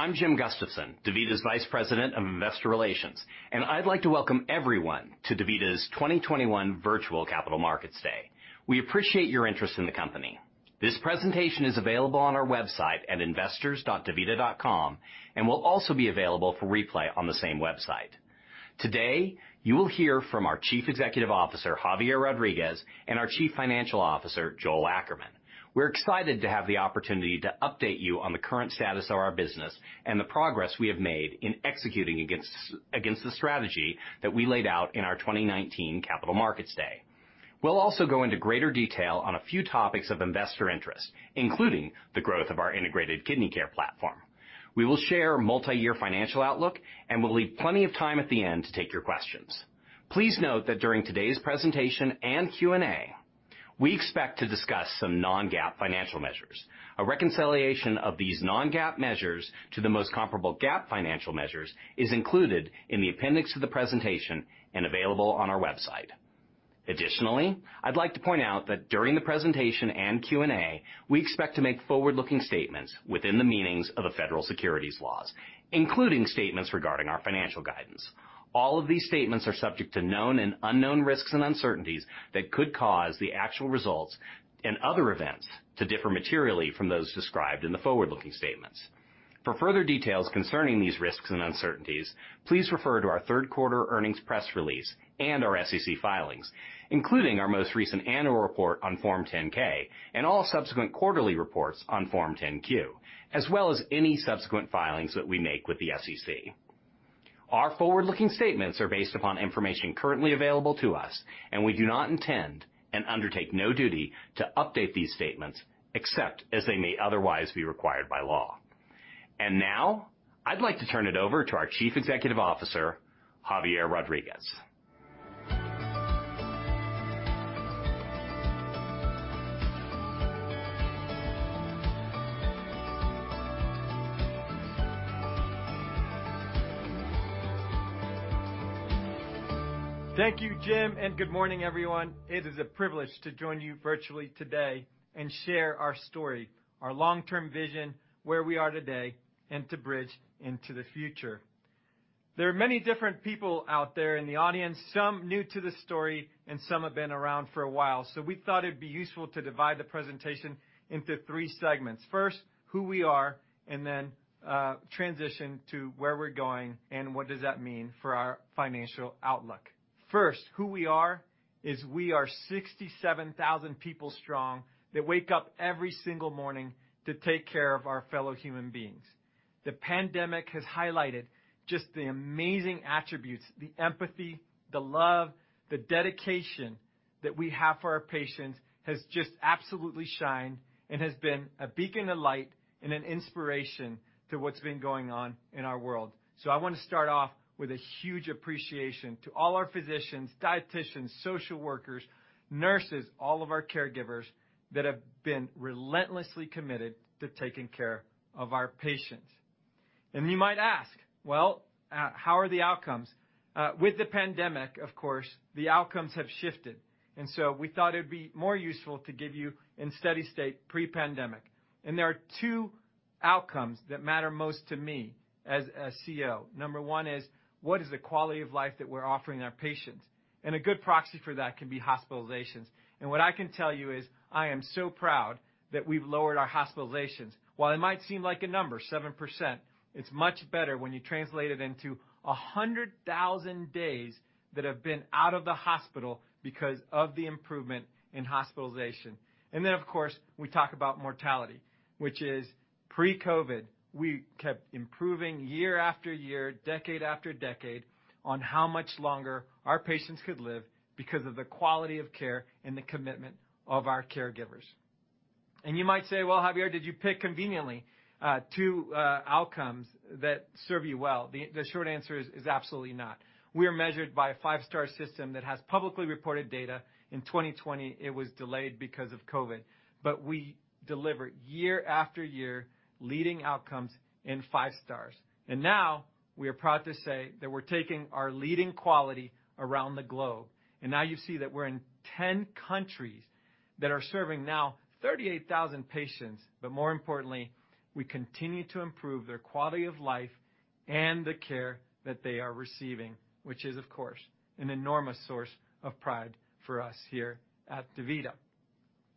I'm Jim Gustafson, DaVita’s Vice President of Investor Relations, and I'd like to welcome everyone to DaVita’s 2021 virtual Capital Markets Day. We appreciate your interest in the company. This presentation is available on our website at investors.davita.com and will also be available for replay on the same website. Today, you will hear from our Chief Executive Officer, Javier Rodriguez, and our Chief Financial Officer, Joel Ackerman. We're excited to have the opportunity to update you on the current status of our business and the progress we have made in executing against the strategy that we laid out in our 2019 Capital Markets Day. We'll also go into greater detail on a few topics of investor interest, including the growth of our integrated kidney care platform. We will share a multi-year financial outlook, and we'll leave plenty of time at the end to take your questions. Please note that during today's presentation and Q&A, we expect to discuss some non-GAAP financial measures. A reconciliation of these non-GAAP measures to the most comparable GAAP financial measures is included in the appendix of the presentation and available on our website. Additionally, I'd like to point out that during the presentation and Q&A, we expect to make forward-looking statements within the meanings of the federal securities laws, including statements regarding our financial guidance. All of these statements are subject to known and unknown risks and uncertainties that could cause the actual results and other events to differ materially from those described in the forward-looking statements. For further details concerning these risks and uncertainties, please refer to our third quarter earnings press release and our SEC filings, including our most recent annual report on Form 10-K and all subsequent quarterly reports on Form 10-Q, as well as any subsequent filings that we make with the SEC. Our forward-looking statements are based upon information currently available to us, and we do not intend and undertake no duty to update these statements except as they may otherwise be required by law. Now, I'd like to turn it over to our Chief Executive Officer, Javier Rodriguez. Thank you, Jim, and good morning, everyone. It is a privilege to join you virtually today and share our story, our long-term vision, where we are today, and to bridge into the future. There are many different people out there in the audience, some new to the story and some have been around for a while, so we thought it'd be useful to divide the presentation into three segments. First, who we are, and then transition to where we're going and what does that mean for our financial outlook. First, who we are is we are 67,000 people strong that wake up every single morning to take care of our fellow human beings. The pandemic has highlighted just the amazing attributes, the empathy, the love, the dedication that we have for our patients has just absolutely shined and has been a beacon of light and an inspiration to what's been going on in our world. I want to start off with a huge appreciation to all our physicians, dieticians, social workers, nurses, all of our caregivers that have been relentlessly committed to taking care of our patients. You might ask, "Well, how are the outcomes?" With the pandemic, of course, the outcomes have shifted, and so we thought it'd be more useful to give you in steady state pre-pandemic. There are two outcomes that matter most to me as CEO. Number one is, what is the quality of life that we're offering our patients? A good proxy for that can be hospitalizations. What I can tell you is, I am so proud that we've lowered our hospitalizations. While it might seem like a number, 7%, it's much better when you translate it into 100,000 days that have been out of the hospital because of the improvement in hospitalization. Then, of course, we talk about mortality, which is pre-COVID-19, we kept improving year after year, decade after decade, on how much longer our patients could live because of the quality of care and the commitment of our caregivers. You might say, "Well, Javier, did you pick conveniently two outcomes that serve you well?" The short answer is absolutely not. We are measured by a five-star rating system that has publicly reported data. In 2020, it was delayed because of COVID-19. We deliver year-after-year leading outcomes in five stars. Now, we are proud to say that we're taking our leading quality around the globe. Now you see that we're in 10 countries that are serving now 38,000 patients, but more importantly, we continue to improve their quality of life and the care that they are receiving, which is, of course, an enormous source of pride for us here at DaVita.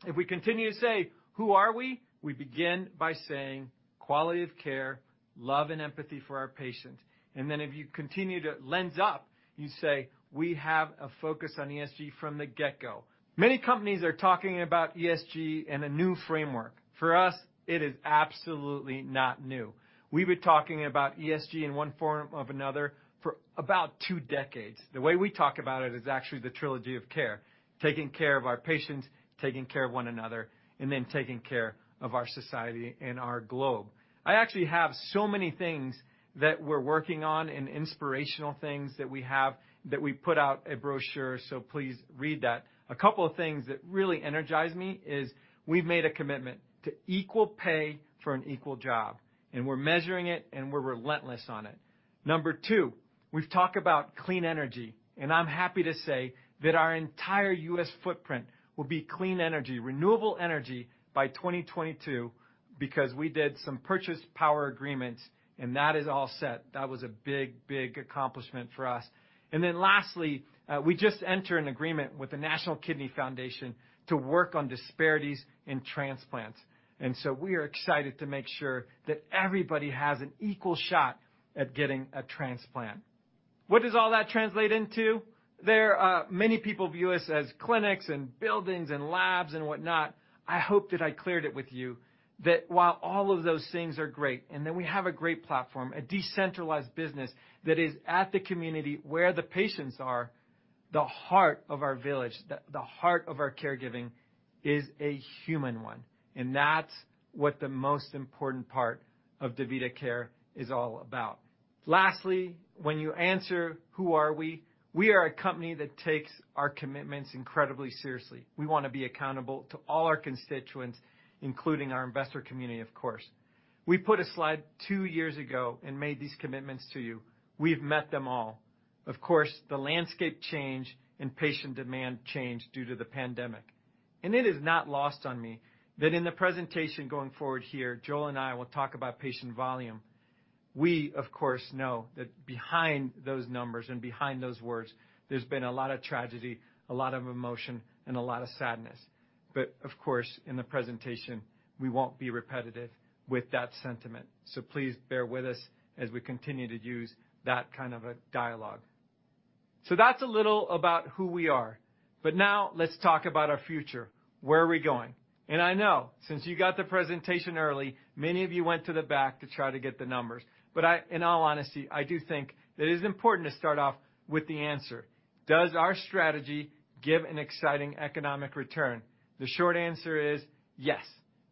If we continue to say, "Who are we?" We begin by saying, quality of care, love, and empathy for our patients. If you continue to lens up, you say, we have a focus on ESG from the get-go. Many companies are talking about ESG in a new framework. For us, it is absolutely not new. We've been talking about ESG in one form or another for about two decades. The way we talk about it is actually the trilogy of care, taking care of our patients, taking care of one another, and then taking care of our society and our globe. I actually have so many things that we're working on and inspirational things that we have that we put out a brochure, so please read that. A couple of things that really energize me is we've made a commitment to equal pay for an equal job, and we're measuring it, and we're relentless on it. Number two, we've talked about clean energy, and I'm happy to say that our entire U.S. footprint will be clean energy, renewable energy by 2022 because we did some purchase power agreements, and that is all set. That was a big, big accomplishment for us. Then lastly, we just entered an agreement with the National Kidney Foundation to work on disparities in transplants. We are excited to make sure that everybody has an equal shot at getting a transplant. What does all that translate into? There, many people view us as clinics and buildings and labs and whatnot. I hope that I cleared it with you that while all of those things are great, and that we have a great platform, a decentralized business that is at the community where the patients are, the heart of our village, the heart of our caregiving is a human one. That's what the most important part of DaVita is all about. Lastly, when you answer who are we? We are a company that takes our commitments incredibly seriously. We want to be accountable to all our constituents, including our investor community, of course. We put a slide two years ago and made these commitments to you. We've met them all. Of course, the landscape changed and patient demand changed due to the pandemic, and it is not lost on me that in the presentation going forward here, Joel and I will talk about patient volume. We, of course, know that behind those numbers and behind those words, there's been a lot of tragedy, a lot of emotion, and a lot of sadness. Of course, in the presentation, we won't be repetitive with that sentiment. Please bear with us as we continue to use that kind of a dialogue. That's a little about who we are. Now let's talk about our future. Where are we going? I know since you got the presentation early, many of you went to the back to try to get the numbers. I, in all honesty, I do think that it is important to start off with the answer. Does our strategy give an exciting economic return? The short answer is yes.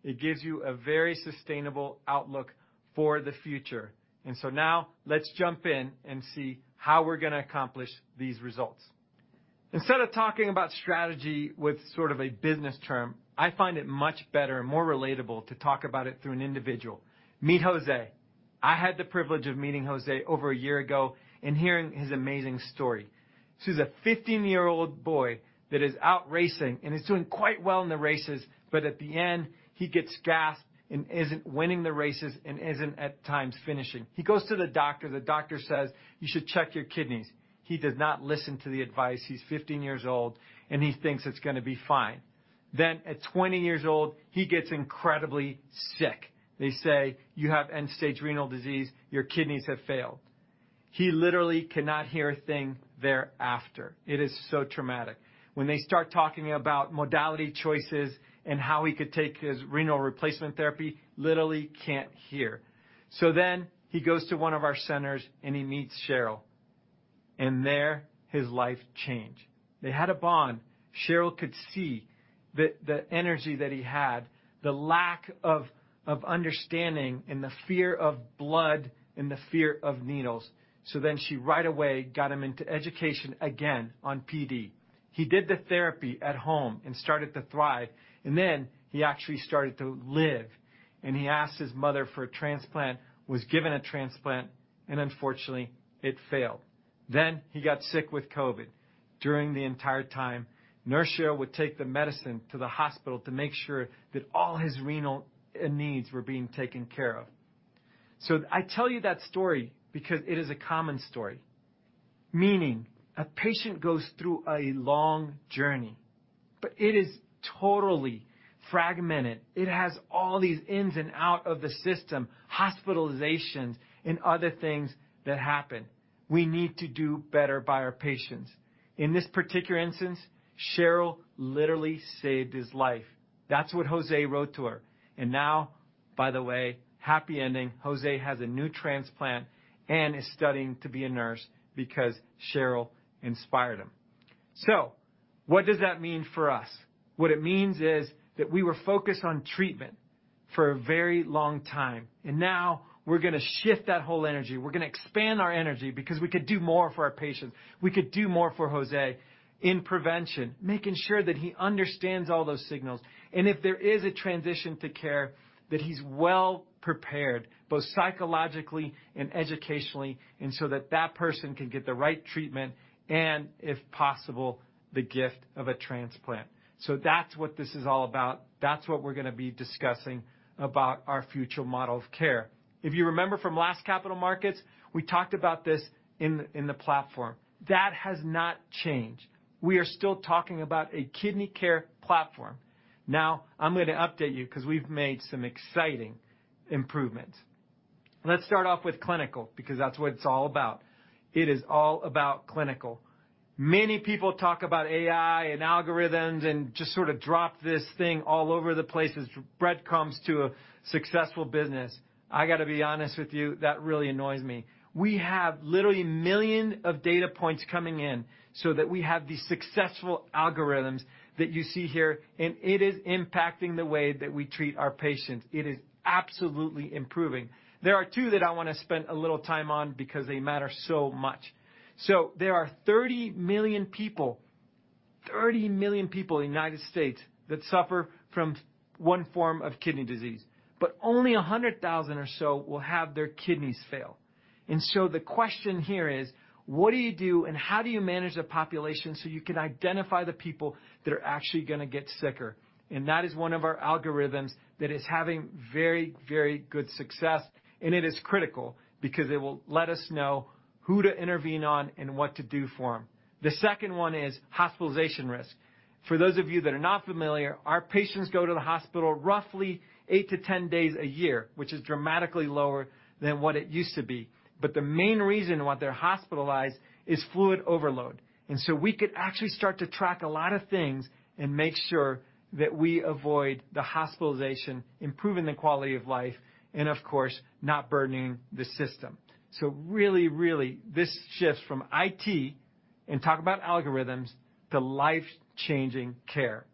It gives you a very sustainable outlook for the future. Now let's jump in and see how we're going to accomplish these results. Instead of talking about strategy with sort of a business term, I find it much better and more relatable to talk about it through an individual. Meet Jose. I had the privilege of meeting Jose over a year ago and hearing his amazing story. He's a 15-year-old boy that is out racing and is doing quite well in the races, but at the end, he gets gassed and isn't winning the races and isn't at times finishing. He goes to the doctor, the doctor says, "You should check your kidneys." He does not listen to the advice. He's 15 years old, and he thinks it's going to be fine. At 20 years old, he gets incredibly sick. They say, "You have end-stage renal disease. Your kidneys have failed." He literally cannot hear a thing thereafter. It is so traumatic. When they start talking about modality choices and how he could take his renal replacement therapy, literally can't hear. He goes to one of our centers, and he meets Cheryl, and there his life changed. They had a bond. Cheryl could see the energy that he had, the lack of understanding, and the fear of blood and the fear of needles. She right away got him into education again on PD. He did the therapy at home and started to thrive, and then he actually started to live. He asked his mother for a transplant, was given a transplant, and unfortunately, it failed. He got sick with COVID-19. During the entire time, Nurse Cheryl would take the medicine to the hospital to make sure that all his renal needs were being taken care of. I tell you that story because it is a common story, meaning a patient goes through a long journey, but it is totally fragmented. It has all these ins and outs of the system, hospitalizations and other things that happen. We need to do better by our patients. In this particular instance, Cheryl literally saved his life. That's what Jose wrote to her. Now, by the way, happy ending, Jose has a new transplant and is studying to be a nurse because Cheryl inspired him. What does that mean for us? What it means is that we were focused on treatment for a very long time, and now we're going to shift that whole energy. We're going to expand our energy because we could do more for our patients. We could do more for Jose in prevention, making sure that he understands all those signals, and if there is a transition to care, that he's well prepared, both psychologically and educationally, and so that that person can get the right treatment and if possible, the gift of a transplant. That's what this is all about. That's what we're going to be discussing about our future model of care. If you remember from last Capital Markets, we talked about this in the platform. That has not changed. We are still talking about a kidney care platform. Now, I'm going to update you because we've made some exciting improvements. Let's start off with clinical, because that's what it's all about. It is all about clinical. Many people talk about AI and algorithms and just sort of drop this thing all over the place as breadcrumbs to a successful business. I gotta be honest with you, that really annoys me. We have literally millions of data points coming in so that we have these successful algorithms that you see here, and it is impacting the way that we treat our patients. It is absolutely improving. There are two that I want to spend a little time on because they matter so much. There are 30 million people in the United States that suffer from one form of kidney disease, but only 100,000 or so will have their kidneys fail. The question here is: what do you do, and how do you manage the population so you can identify the people that are actually going to get sicker? That is one of our algorithms that is having very, very good success, and it is critical because it will let us know who to intervene on and what to do for them. The second one is hospitalization risk. For those of you that are not familiar, our patients go to the hospital roughly 8–10 days a year, which is dramatically lower than what it used to be. The main reason why they're hospitalized is fluid overload. We could actually start to track a lot of things and make sure that we avoid the hospitalization, improving the quality of life and, of course, not burdening the system. Really this shifts from IT, and talk about algorithms to life-changing care.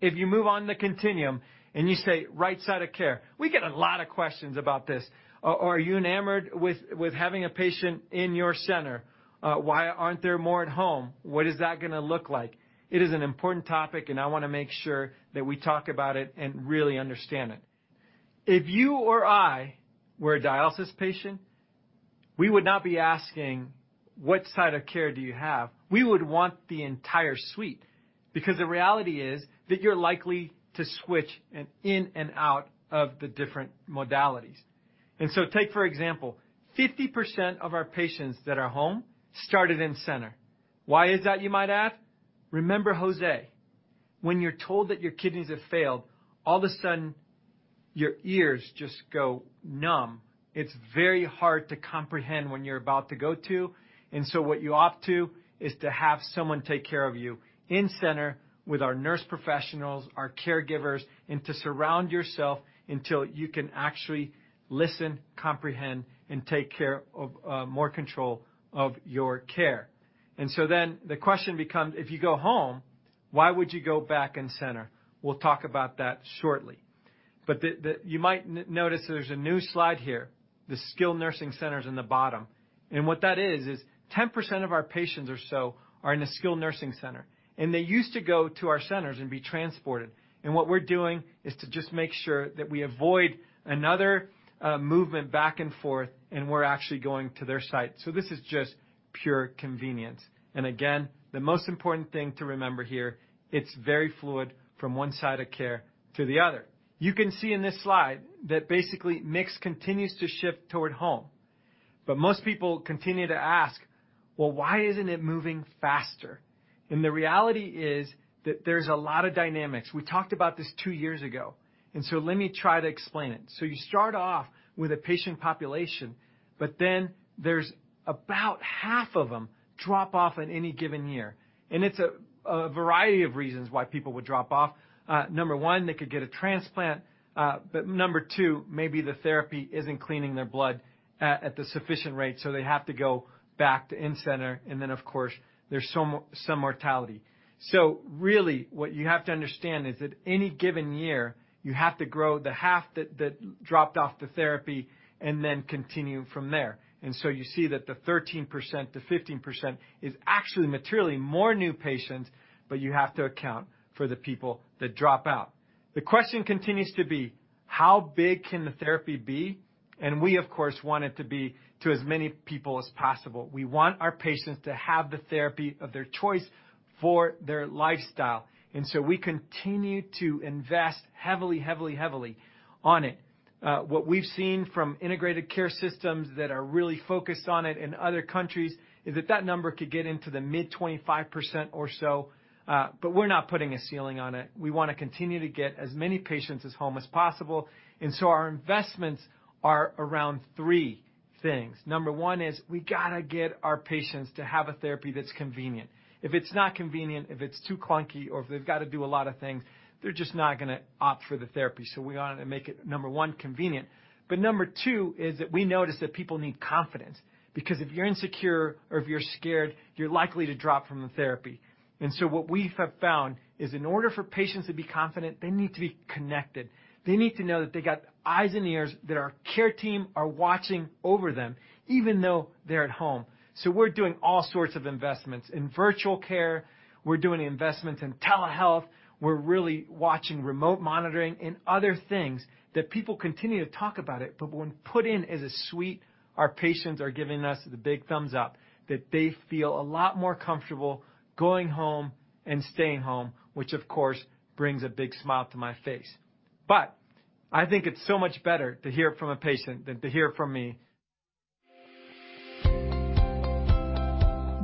If you move on the continuum and you say right side of care, we get a lot of questions about this. Are you enamored with having a patient in your center? Why aren't there more at home? What is that going to look like? It is an important topic and I want to make sure that we talk about it and really understand it. If you or I were a dialysis patient, we would not be asking what side of care do you have. We would want the entire suite, because the reality is that you're likely to switch in and out of the different modalities. Take, for example, 50% of our patients that are home started in center. Why is that, you might ask? Remember Jose. When you're told that your kidneys have failed, all of a sudden your ears just go numb. It's very hard to comprehend when you're about to go to. What you opt to is to have someone take care of you in center with our nurse professionals, our caregivers, and to surround yourself until you can actually listen, comprehend, and take more control of your care. The question becomes, if you go home, why would you go back in center? We'll talk about that shortly. The You might notice there's a new slide here, the skilled nursing centers in the bottom. What that is 10% of our patients or so are in a skilled nursing center, and they used to go to our centers and be transported. What we're doing is to just make sure that we avoid another movement back and forth, and we're actually going to their site. This is just pure convenience. Again, the most important thing to remember here, it's very fluid from one side of care to the other. You can see in this slide that basically mix continues to shift toward home. Most people continue to ask, "Well, why isn't it moving faster?" The reality is that there's a lot of dynamics. We talked about this two years ago, and so let me try to explain it. You start off with a patient population, but then there's about half of them drop off in any given year. It's a variety of reasons why people would drop off. Number one, they could get a transplant. But number two, maybe the therapy isn't cleaning their blood at the sufficient rate, so they have to go back to in-center. Then, of course, there's some mortality. Really what you have to understand is that any given year you have to grow the half that dropped off the therapy and then continue from there. You see that the 13%–15% is actually materially more new patients, but you have to account for the people that drop out. The question continues to be how big can the therapy be? We of course want it to be to as many people as possible. We want our patients to have the therapy of their choice for their lifestyle. We continue to invest heavily on it. What we've seen from integrated care systems that are really focused on it in other countries is that that number could get into the mid-25% or so. We're not putting a ceiling on it. We want to continue to get as many patients as home as possible. Our investments are around three things. Number one is we gotta get our patients to have a therapy that's convenient. If it's not convenient, if it's too clunky or if they've got to do a lot of things, they're just not going to opt for the therapy. We want to make it, number one, convenient. Number two is that we notice that people need confidence, because if you're insecure or if you're scared, you're likely to drop from the therapy. What we have found is in order for patients to be confident, they need to be connected. They need to know that they got eyes and ears, that our care team are watching over them even though they're at home. We're doing all sorts of investments. In virtual care, we're doing investments in telehealth, we're really watching remote monitoring and other things that people continue to talk about it. When put in as a suite, our patients are giving us the big thumbs up that they feel a lot more comfortable going home and staying home, which of course brings a big smile to my face. I think it's so much better to hear it from a patient than to hear it from me.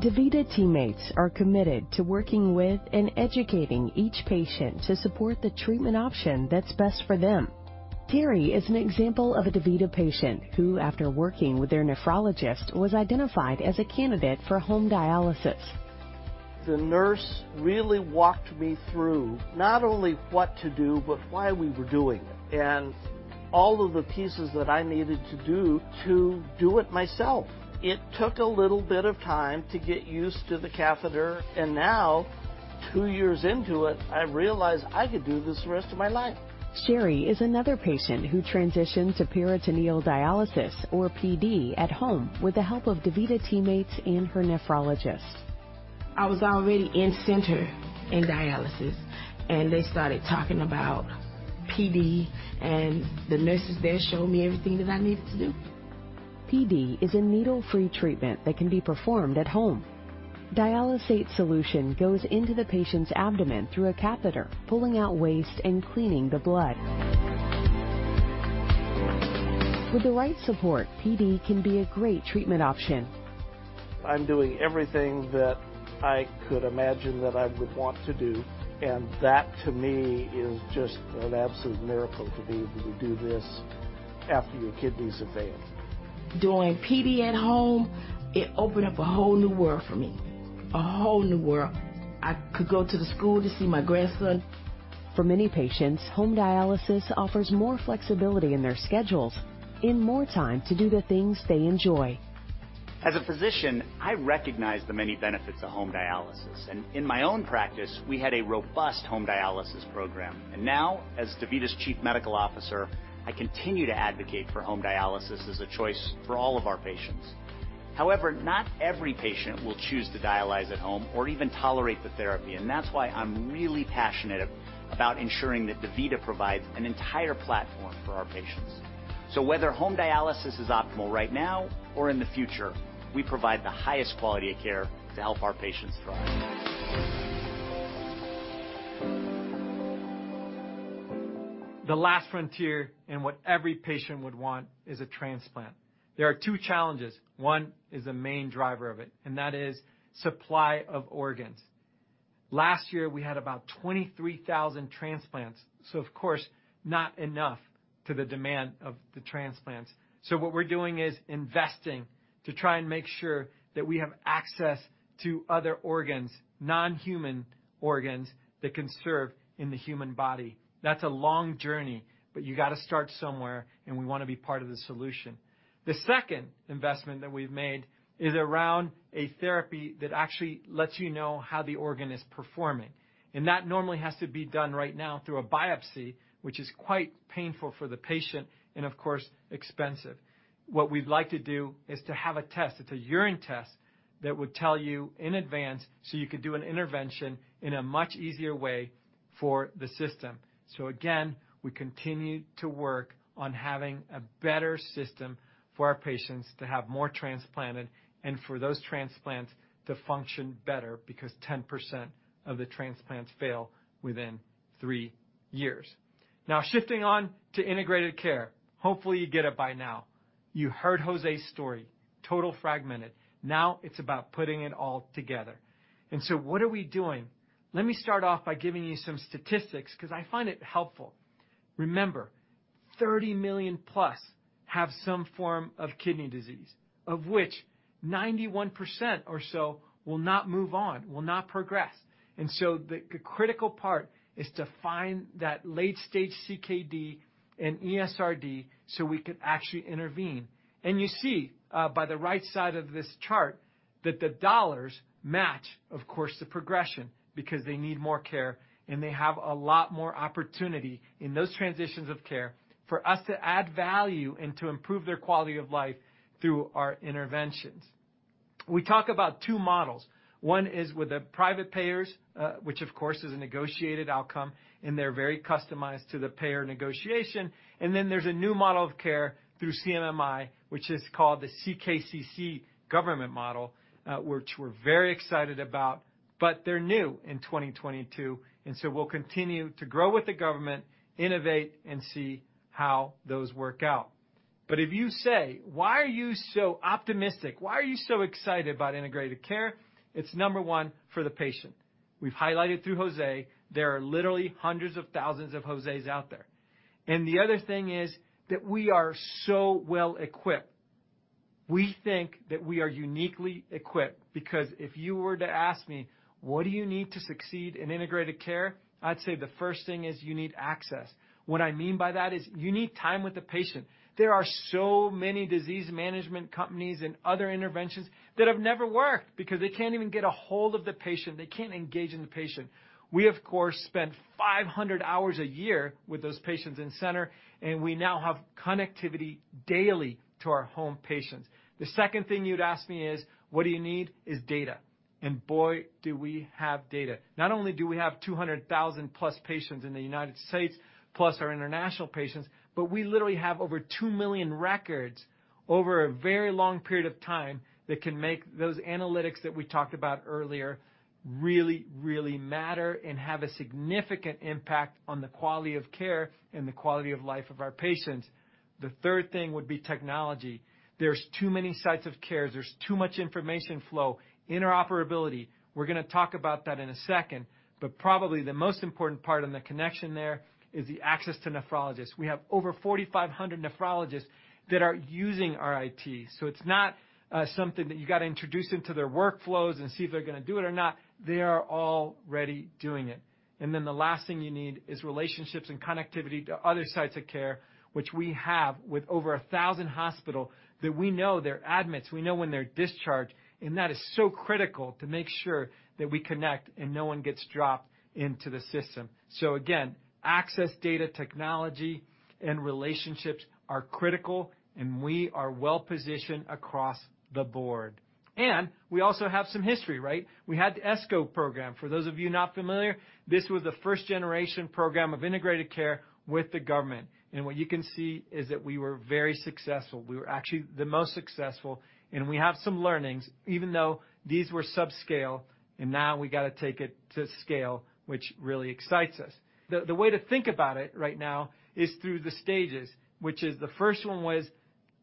DaVita teammates are committed to working with and educating each patient to support the treatment option that's best for them. Terry is an example of a DaVita patient who, after working with their nephrologist, was identified as a candidate for home dialysis. The nurse really walked me through not only what to do, but why we were doing it and all of the pieces that I needed to do to do it myself. It took a little bit of time to get used to the catheter, and now, two years into it, I realize I could do this the rest of my life. Sherry is another patient who transitioned to peritoneal dialysis or PD at home with the help of DaVita teammates and her nephrologist. I was already in-center dialysis, and they started talking about PD, and the nurses there showed me everything that I needed to do. PD is a needle-free treatment that can be performed at home. Dialysate solution goes into the patient's abdomen through a catheter, pulling out waste and cleaning the blood. With the right support, PD can be a great treatment option. I'm doing everything that I could imagine that I would want to do, and that to me is just an absolute miracle to be able to do this after your kidneys have failed. Doing PD at home, it opened up a whole new world for me. A whole new world. I could go to the school to see my grandson. For many patients, home dialysis offers more flexibility in their schedules and more time to do the things they enjoy. As a physician, I recognize the many benefits of home dialysis, and in my own practice, we had a robust home dialysis program. Now, as DaVita’s Chief Medical Officer, I continue to advocate for home dialysis as a choice for all of our patients. However, not every patient will choose to dialyze at home or even tolerate the therapy. That's why I'm really passionate about ensuring that DaVita provides an entire platform for our patients. Whether home dialysis is optimal right now or in the future, we provide the highest quality of care to help our patients thrive. The last frontier, and what every patient would want, is a transplant. There are two challenges. One is the main driver of it, and that is supply of organs. Last year, we had about 23,000 transplants, so of course not enough to the demand of the transplants. What we're doing is investing to try and make sure that we have access to other organs, non-human organs, that can serve in the human body. That's a long journey, but you gotta start somewhere, and we want to be part of the solution. The second investment that we've made is around a therapy that actually lets you know how the organ is performing. That normally has to be done right now through a biopsy, which is quite painful for the patient and, of course, expensive. What we'd like to do is to have a test. It's a urine test that would tell you in advance so you could do an intervention in a much easier way for the system. Again, we continue to work on having a better system for our patients to have more transplanted and for those transplants to function better because 10% of the transplants fail within three years. Now, shifting on to integrated care. Hopefully, you get it by now. You heard Jose's story. Totally fragmented. Now it's about putting it all together. What are we doing? Let me start off by giving you some statistics 'cause I find it helpful. Remember, 30 million plus have some form of kidney disease, of which 91% or so will not move on, will not progress. The critical part is to find that late-stage CKD and ESRD, so we can actually intervene. You see, by the right side of this chart, that the dollars match, of course, the progression because they need more care, and they have a lot more opportunity in those transitions of care for us to add value and to improve their quality of life through our interventions. We talk about two models. One is with the private payers, which of course is a negotiated outcome, and they're very customized to the payer negotiation. Then there's a new model of care through CMMI, which is called the CKCC government model, which we're very excited about, but they're new in 2022, and so we'll continue to grow with the government, innovate, and see how those work out. If you say, "Why are you so optimistic? Why are you so excited about integrated care?" It's number one for the patient. We've highlighted through Jose, there are literally hundreds of thousands of Jose out there. The other thing is that we are so well equipped. We think that we are uniquely equipped because if you were to ask me, "What do you need to succeed in integrated care?" I'd say the first thing is you need access. What I mean by that is you need time with the patient. There are so many disease management companies and other interventions that have never worked because they can't even get a hold of the patient. They can't engage the patient. We, of course, spend 500 hours a year with those patients in center, and we now have connectivity daily to our home patients. The second thing you'd ask me is, "What do you need?" Data. Boy, do we have data. Not only do we have 200,000+ patients in the United States, plus our international patients, but we literally have over 2 million records over a very long period of time that can make those analytics that we talked about earlier really, really matter and have a significant impact on the quality of care and the quality of life of our patients. The third thing would be technology. There's too many sites of care. There's too much information flow. Interoperability, we're going to talk about that in a second, but probably the most important part in the connection there is the access to nephrologists. We have over 4,500 nephrologists that are using our IT. So it's not, something that you gotta introduce into their workflows and see if they're going to do it or not. They are already doing it. Then the last thing you need is relationships and connectivity to other sites of care, which we have with over 1,000 hospitals. We know their admissions, we know when they're discharged, and that is so critical to make sure that we connect and no one gets dropped into the system. Again, access data technology and relationships are critical, and we are well-positioned across the board. We also have some history, right? We had the ESCO program. For those of you not familiar, this was the first-generation program of integrated care with the government. What you can see is that we were very successful. We were actually the most successful, and we have some learnings, even though these were sub-scale, and now we gotta take it to scale, which really excites us. The way to think about it right now is through the stages, which is the first one was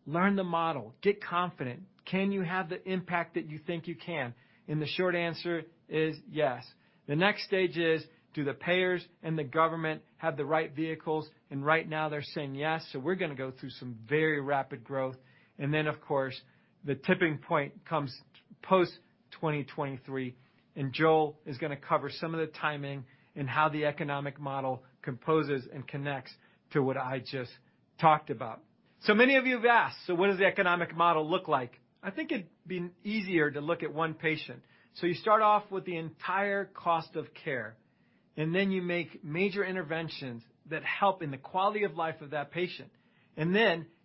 learn the model, get confident. Can you have the impact that you think you can? The short answer is yes. The next stage is, do the payers and the government have the right vehicles? Right now they're saying yes, so we're going to go through some very rapid growth. Of course, the tipping point comes post-2023, and Joel is going to cover some of the timing and how the economic model composes and connects to what I just talked about. Many of you have asked, "So what does the economic model look like?" I think it'd be easier to look at one patient. You start off with the entire cost of care, and then you make major interventions that help in the quality of life of that patient.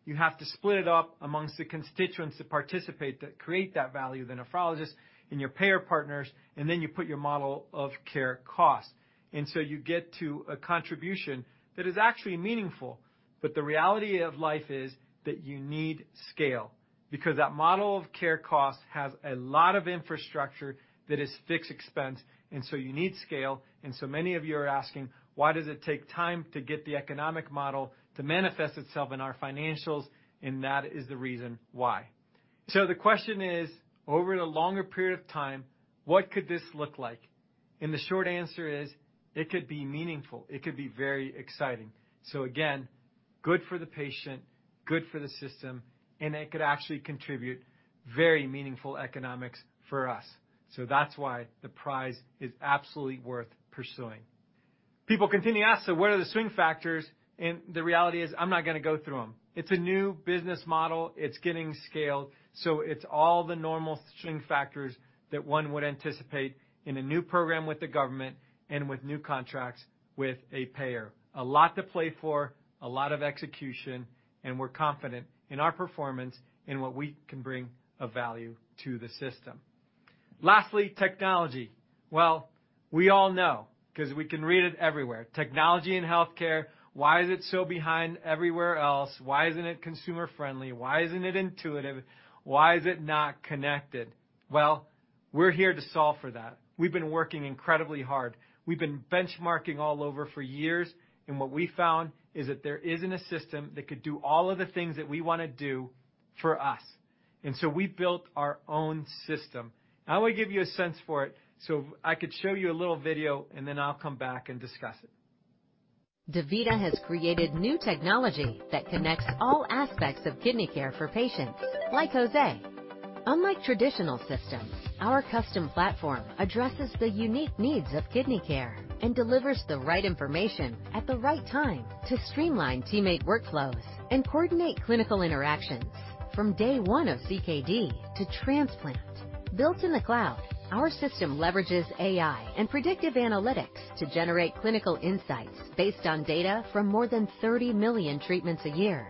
You have to split it up amongst the constituents that participate to create that value, the nephrologists and your payer partners, and then you put your model of care cost. You get to a contribution that is actually meaningful. The reality of life is that you need scale, because that model of care cost has a lot of infrastructure that is fixed expense, and so you need scale. Many of you are asking, "Why does it take time to get the economic model to manifest itself in our financials?" That is the reason why. The question is, over the longer period of time, what could this look like? The short answer is, it could be meaningful. It could be very exciting. Again, good for the patient, good for the system, and it could actually contribute very meaningful economics for us. That's why the prize is absolutely worth pursuing. People continue to ask, "So what are the swing factors?" The reality is, I'm not going to go through them. It's a new business model. It's getting scaled. It's all the normal swing factors that one would anticipate in a new program with the government and with new contracts with a payer. A lot to play for, a lot of execution, and we're confident in our performance and what we can bring of value to the system. Lastly, technology. Well, we all know, 'cause we can read it everywhere. Technology in healthcare, why is it so behind everywhere else? Why isn't it consumer friendly? Why isn't it intuitive? Why is it not connected? Well, we're here to solve for that. We've been working incredibly hard. We've been benchmarking all over for years, and what we found is that there isn't a system that could do all of the things that we want to do for us. We built our own system. I want to give you a sense for it, so I could show you a little video, and then I'll come back and discuss it. DaVita has created new technology that connects all aspects of kidney care for patients like Jose. Unlike traditional systems, our custom platform addresses the unique needs of kidney care and delivers the right information at the right time to streamline teammate workflows and coordinate clinical interactions from day one of CKD to transplant. Built in the cloud, our system leverages AI and predictive analytics to generate clinical insights based on data from more than 30 million treatments a year.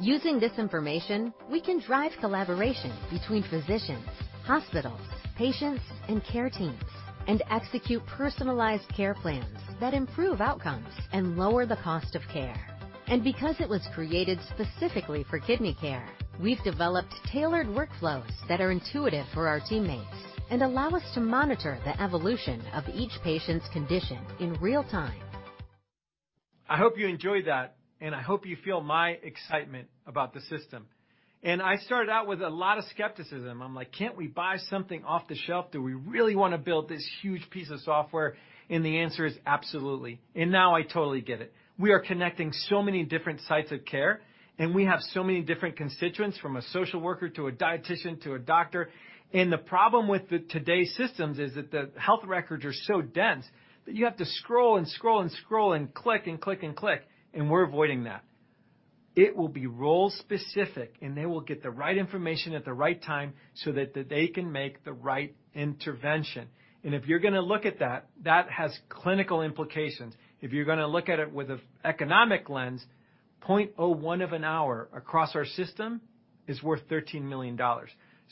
Using this information, we can drive collaboration between physicians, hospitals, patients, and care teams, and execute personalized care plans that improve outcomes and lower the cost of care. Because it was created specifically for kidney care, we've developed tailored workflows that are intuitive for our teammates and allow us to monitor the evolution of each patient's condition in real time. I hope you enjoyed that, and I hope you feel my excitement about the system. I started out with a lot of skepticism. I'm like, "Can't we buy something off the shelf? Do we really want to build this huge piece of software?" The answer is absolutely. Now I totally get it. We are connecting so many different sites of care, and we have so many different constituents, from a social worker to a dietician to a doctor. The problem with today's systems is that the health records are so dense that you have to scroll and scroll and scroll and click and click and click, and we're avoiding that. It will be role-specific, and they will get the right information at the right time so that they can make the right intervention. If you're going to look at that has clinical implications. If you're going to look at it with an economic lens, 0.01 of an hour across our system is worth $13 million.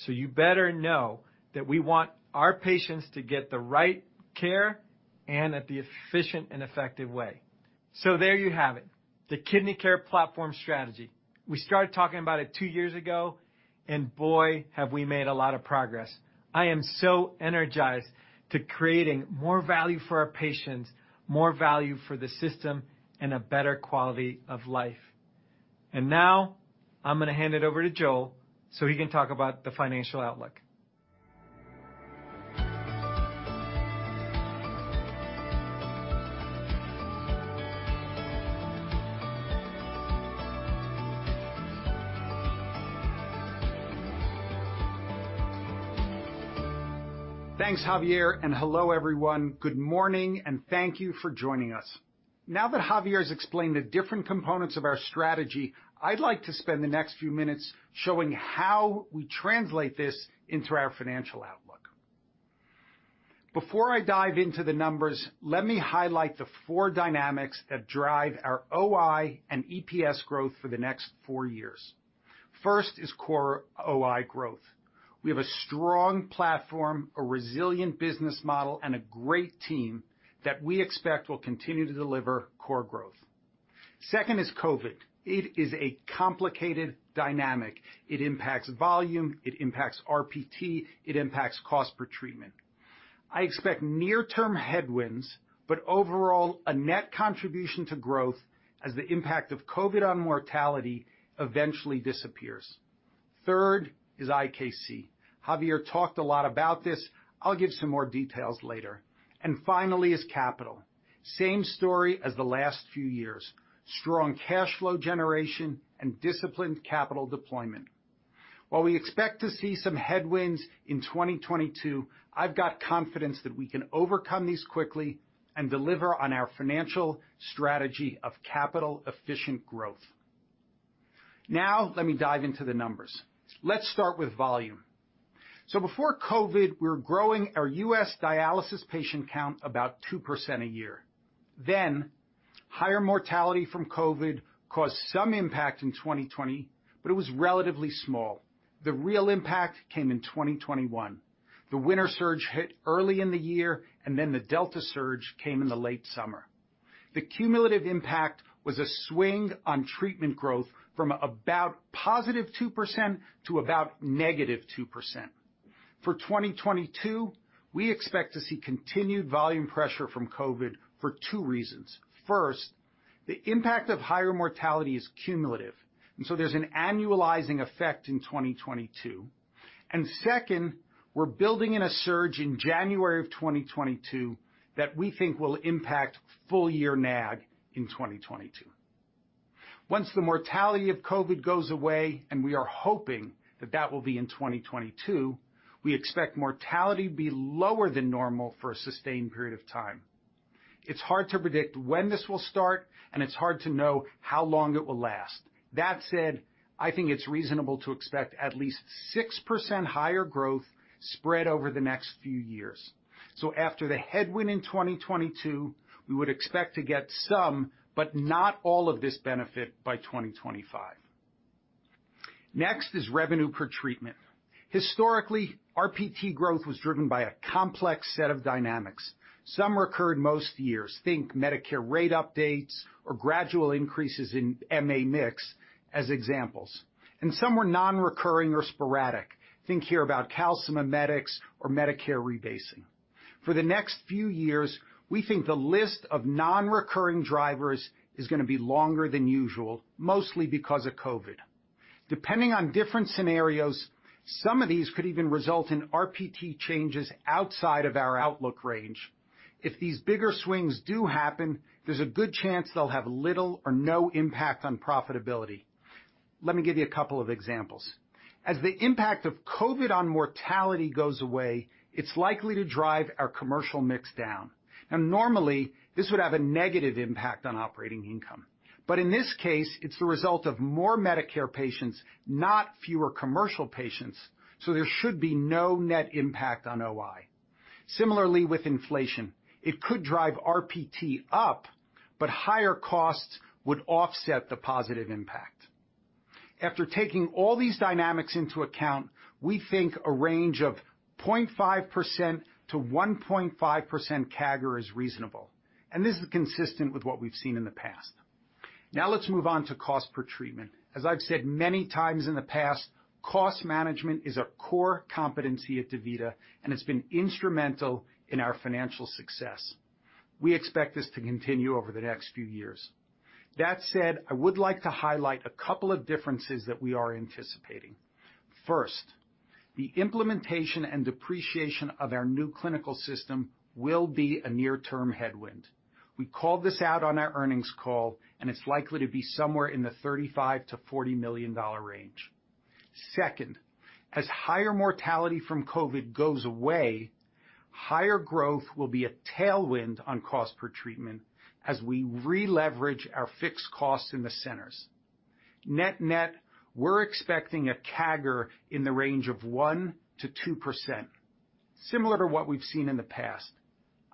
You better know that we want our patients to get the right care and at the efficient and effective way. There you have it, the kidney care platform strategy. We started talking about it two years ago, and boy, have we made a lot of progress. I am so energized to creating more value for our patients, more value for the system, and a better quality of life. Now I'm going to hand it over to Joel so he can talk about the financial outlook. Thanks, Javier, and hello, everyone. Good morning, and thank you for joining us. Now that Javier has explained the different components of our strategy, I'd like to spend the next few minutes showing how we translate this into our financial outlook. Before I dive into the numbers, let me highlight the four dynamics that drive our OI and EPS growth for the next four years. First is core OI growth. We have a strong platform, a resilient business model, and a great team that we expect will continue to deliver core growth. Second is COVID-19. It is a complicated dynamic. It impacts volume, it impacts RPT, it impacts cost per treatment. I expect near-term headwinds, but overall, a net contribution to growth as the impact of COVID-19 on mortality eventually disappears. Third is IKC. Javier talked a lot about this. I'll give some more details later. Finally is capital. Same story as the last few years. Strong cash flow generation and disciplined capital deployment. While we expect to see some headwinds in 2022, I've got confidence that we can overcome these quickly and deliver on our financial strategy of capital-efficient growth. Now let me dive into the numbers. Let's start with volume. Before COVID-19, we were growing our U.S. dialysis patient count about 2% a year. Higher mortality from COVID-19 caused some impact in 2020, but it was relatively small. The real impact came in 2021. The winter surge hit early in the year, and then the Delta surge came in the late summer. The cumulative impact was a swing on treatment growth from about +2% to about -2%. For 2022, we expect to see continued volume pressure from COVID-19 for two reasons. First, the impact of higher mortality is cumulative, and so there's an annualizing effect in 2022. Second, we're building in a surge in January of 2022 that we think will impact full-year NAG in 2022. Once the mortality of COVID-19 goes away, and we are hoping that that will be in 2022, we expect mortality to be lower than normal for a sustained period of time. It's hard to predict when this will start, and it's hard to know how long it will last. That said, I think it's reasonable to expect at least 6% higher growth spread over the next few years. After the headwind in 2022, we would expect to get some, but not all of this benefit by 2025. Next is revenue per treatment. Historically, RPT growth was driven by a complex set of dynamics. Some recurred most years. Think Medicare rate updates or gradual increases in MA mix as examples. Some were non-recurring or sporadic. Think here about calcimimetics or Medicare rebasing. For the next few years, we think the list of non-recurring drivers is going to be longer than usual, mostly because of COVID-19. Depending on different scenarios, some of these could even result in RPT changes outside of our outlook range. If these bigger swings do happen, there's a good chance they'll have little or no impact on profitability. Let me give you a couple of examples. As the impact of COVID-19 on mortality goes away, it's likely to drive our commercial mix down. Normally, this would have a negative impact on operating income. But in this case, it's the result of more Medicare patients, not fewer commercial patients, so there should be no net impact on OI. Similarly, with inflation, it could drive RPT up, but higher costs would offset the positive impact. After taking all these dynamics into account, we think a range of 0.5%–1.5% CAGR is reasonable, and this is consistent with what we've seen in the past. Now let's move on to cost per treatment. As I've said many times in the past, cost management is a core competency at DaVita, and it's been instrumental in our financial success. We expect this to continue over the next few years. That said, I would like to highlight a couple of differences that we are anticipating. First, the implementation and depreciation of our new clinical system will be a near-term headwind. We called this out on our earnings call, and it's likely to be somewhere in the $35 million–$40 million range. Second, as higher mortality from COVID-19 goes away, higher growth will be a tailwind on cost per treatment as we re-leverage our fixed costs in the centers. Net net, we're expecting a CAGR in the range of 1%–2%, similar to what we've seen in the past.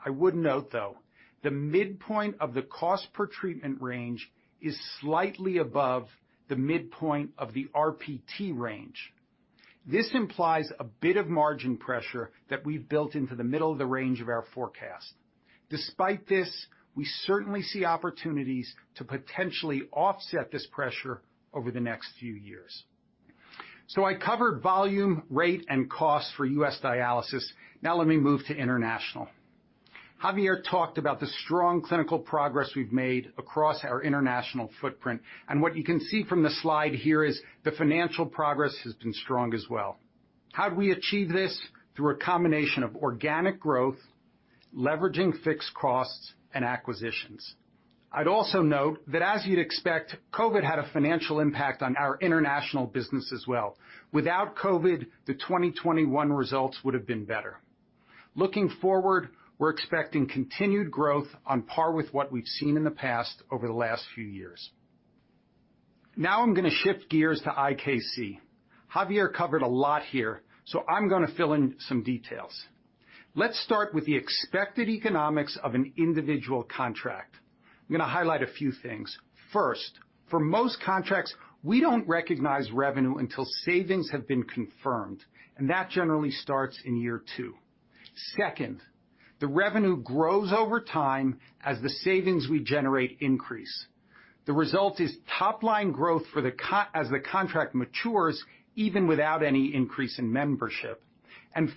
I would note, though, the midpoint of the cost per treatment range is slightly above the midpoint of the RPT range. This implies a bit of margin pressure that we've built into the middle of the range of our forecast. Despite this, we certainly see opportunities to potentially offset this pressure over the next few years. I covered volume, rate, and cost for U.S. dialysis. Now let me move to international. Javier talked about the strong clinical progress we've made across our international footprint, and what you can see from the slide here is the financial progress has been strong as well. How do we achieve this? Through a combination of organic growth, leveraging fixed costs, and acquisitions. I'd also note that, as you'd expect, COVID-19 had a financial impact on our international business as well. Without COVID-19, the 2021 results would have been better. Looking forward, we're expecting continued growth on par with what we've seen in the past over the last few years. Now I'm going to shift gears to IKC. Javier covered a lot here, so I'm going to fill in some details. Let's start with the expected economics of an individual contract. I'm going to highlight a few things. First, for most contracts, we don't recognize revenue until savings have been confirmed, and that generally starts in year two. Second, the revenue grows over time as the savings we generate increase. The result is top line growth as the contract matures, even without any increase in membership.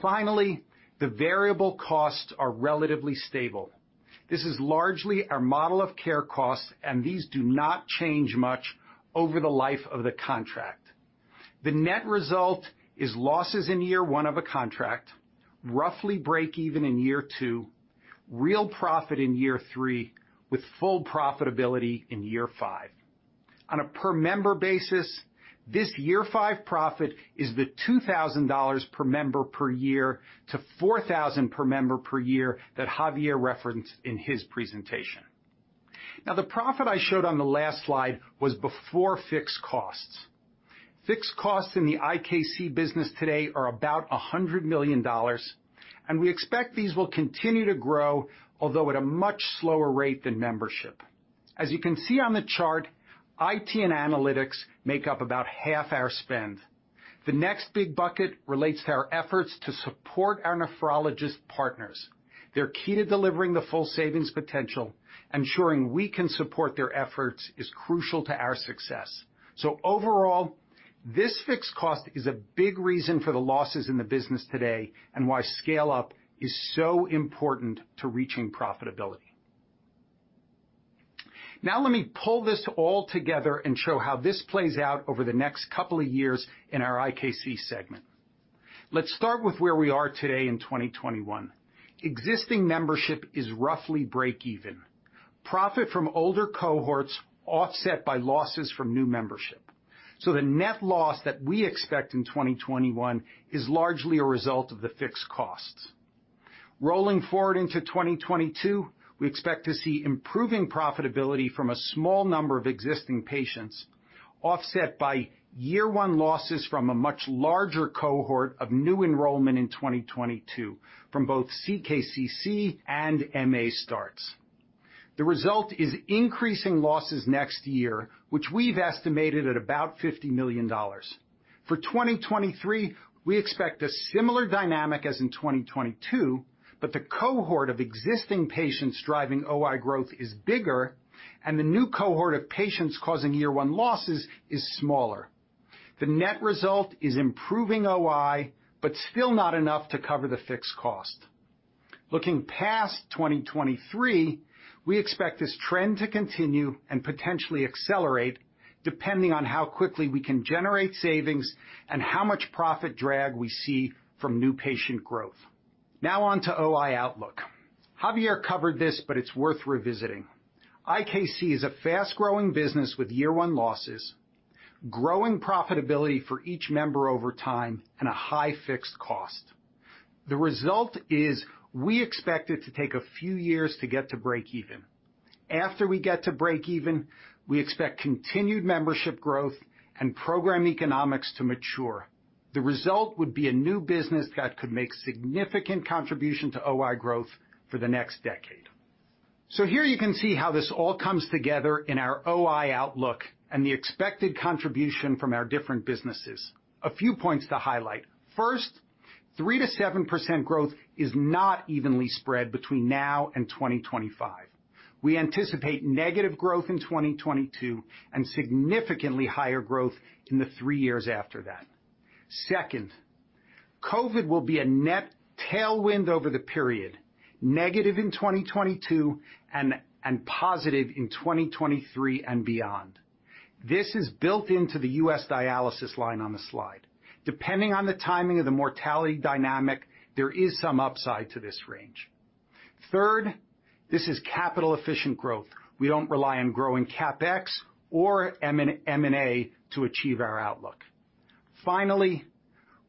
Finally, the variable costs are relatively stable. This is largely our model of care costs, and these do not change much over the life of the contract. The net result is losses in year 1 of a contract, roughly break even in year 2, real profit in year 3, with full profitability in year 5. On a per member basis, this year 5 profit is the $2,000 per member per year to $4,000 per member per year that Javier referenced in his presentation. Now the profit I showed on the last slide was before fixed costs. Fixed costs in the IKC business today are about $100 million, and we expect these will continue to grow, although at a much slower rate than membership. As you can see on the chart, IT and analytics make up about half our spend. The next big bucket relates to our efforts to support our nephrologist partners. They're key to delivering the full savings potential. Ensuring we can support their efforts is crucial to our success. Overall, this fixed cost is a big reason for the losses in the business today and why scale-up is so important to reaching profitability. Now let me pull this all together and show how this plays out over the next couple of years in our IKC segment. Let's start with where we are today in 2021. Existing membership is roughly break even. Profit from older cohorts offset by losses from new membership. The net loss that we expect in 2021 is largely a result of the fixed costs. Rolling forward into 2022, we expect to see improving profitability from a small number of existing patients, offset by year 1 losses from a much larger cohort of new enrollment in 2022 from both CKCC and MA starts. The result is increasing losses next year, which we've estimated at about $50 million. For 2023, we expect a similar dynamic as in 2022, but the cohort of existing patients driving OI growth is bigger, and the new cohort of patients causing year 1 losses is smaller. The net result is improving OI, but still not enough to cover the fixed cost. Looking past 2023, we expect this trend to continue and potentially accelerate, depending on how quickly we can generate savings and how much profit drag we see from new patient growth. Now on to OI outlook. Javier covered this, but it's worth revisiting. IKC is a fast-growing business with year one losses, growing profitability for each member over time, and a high fixed cost. The result is we expect it to take a few years to get to break even. After we get to break even, we expect continued membership growth and program economics to mature. The result would be a new business that could make significant contribution to OI growth for the next decade. Here you can see how this all comes together in our OI outlook and the expected contribution from our different businesses. A few points to highlight. First, 3%–7% growth is not evenly spread between now and 2025. We anticipate negative growth in 2022 and significantly higher growth in the three years after that. Second, COVID-19 will be a net tailwind over the period, negative in 2022 and positive in 2023 and beyond. This is built into the U.S. dialysis line on the slide. Depending on the timing of the mortality dynamic, there is some upside to this range. Third, this is capital efficient growth. We don't rely on growing CapEx or M&A to achieve our outlook. Finally,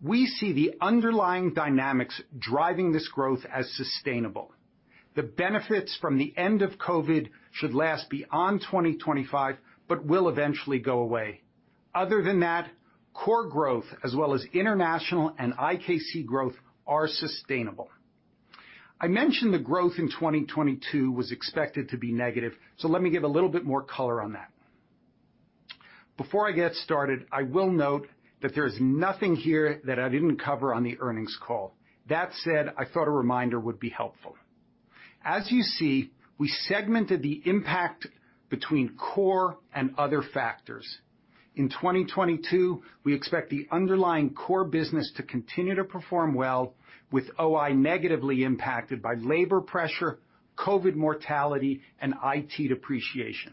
we see the underlying dynamics driving this growth as sustainable. The benefits from the end of COVID-19 should last beyond 2025, but will eventually go away. Other than that, core growth as well as international and IKC growth are sustainable. I mentioned the growth in 2022 was expected to be negative, so let me give a little bit more color on that. Before I get started, I will note that there's nothing here that I didn't cover on the earnings call. That said, I thought a reminder would be helpful. As you see, we segmented the impact between core and other factors. In 2022, we expect the underlying core business to continue to perform well with OI negatively impacted by labor pressure, COVID-19 mortality, and IT depreciation.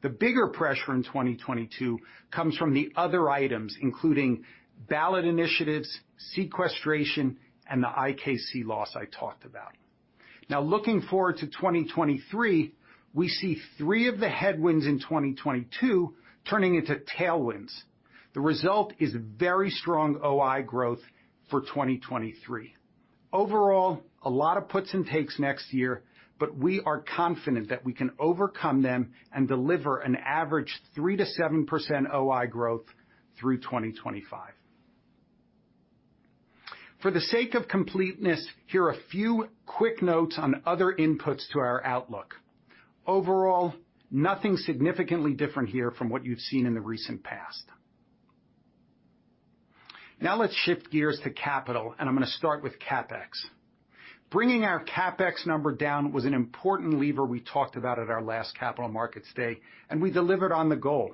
The bigger pressure in 2022 comes from the other items, including ballot initiatives, sequestration, and the IKC loss I talked about. Now, looking forward to 2023, we see three of the headwinds in 2022 turning into tailwinds. The result is very strong OI growth for 2023. Overall, a lot of puts and takes next year, but we are confident that we can overcome them and deliver an average 3%–7% OI growth through 2025. For the sake of completeness, here are a few quick notes on other inputs to our outlook. Overall, nothing significantly different here from what you've seen in the recent past. Now let's shift gears to capital, and I'm going to start with CapEx. Bringing our CapEx number down was an important lever we talked about at our last Capital Markets Day, and we delivered on the goal.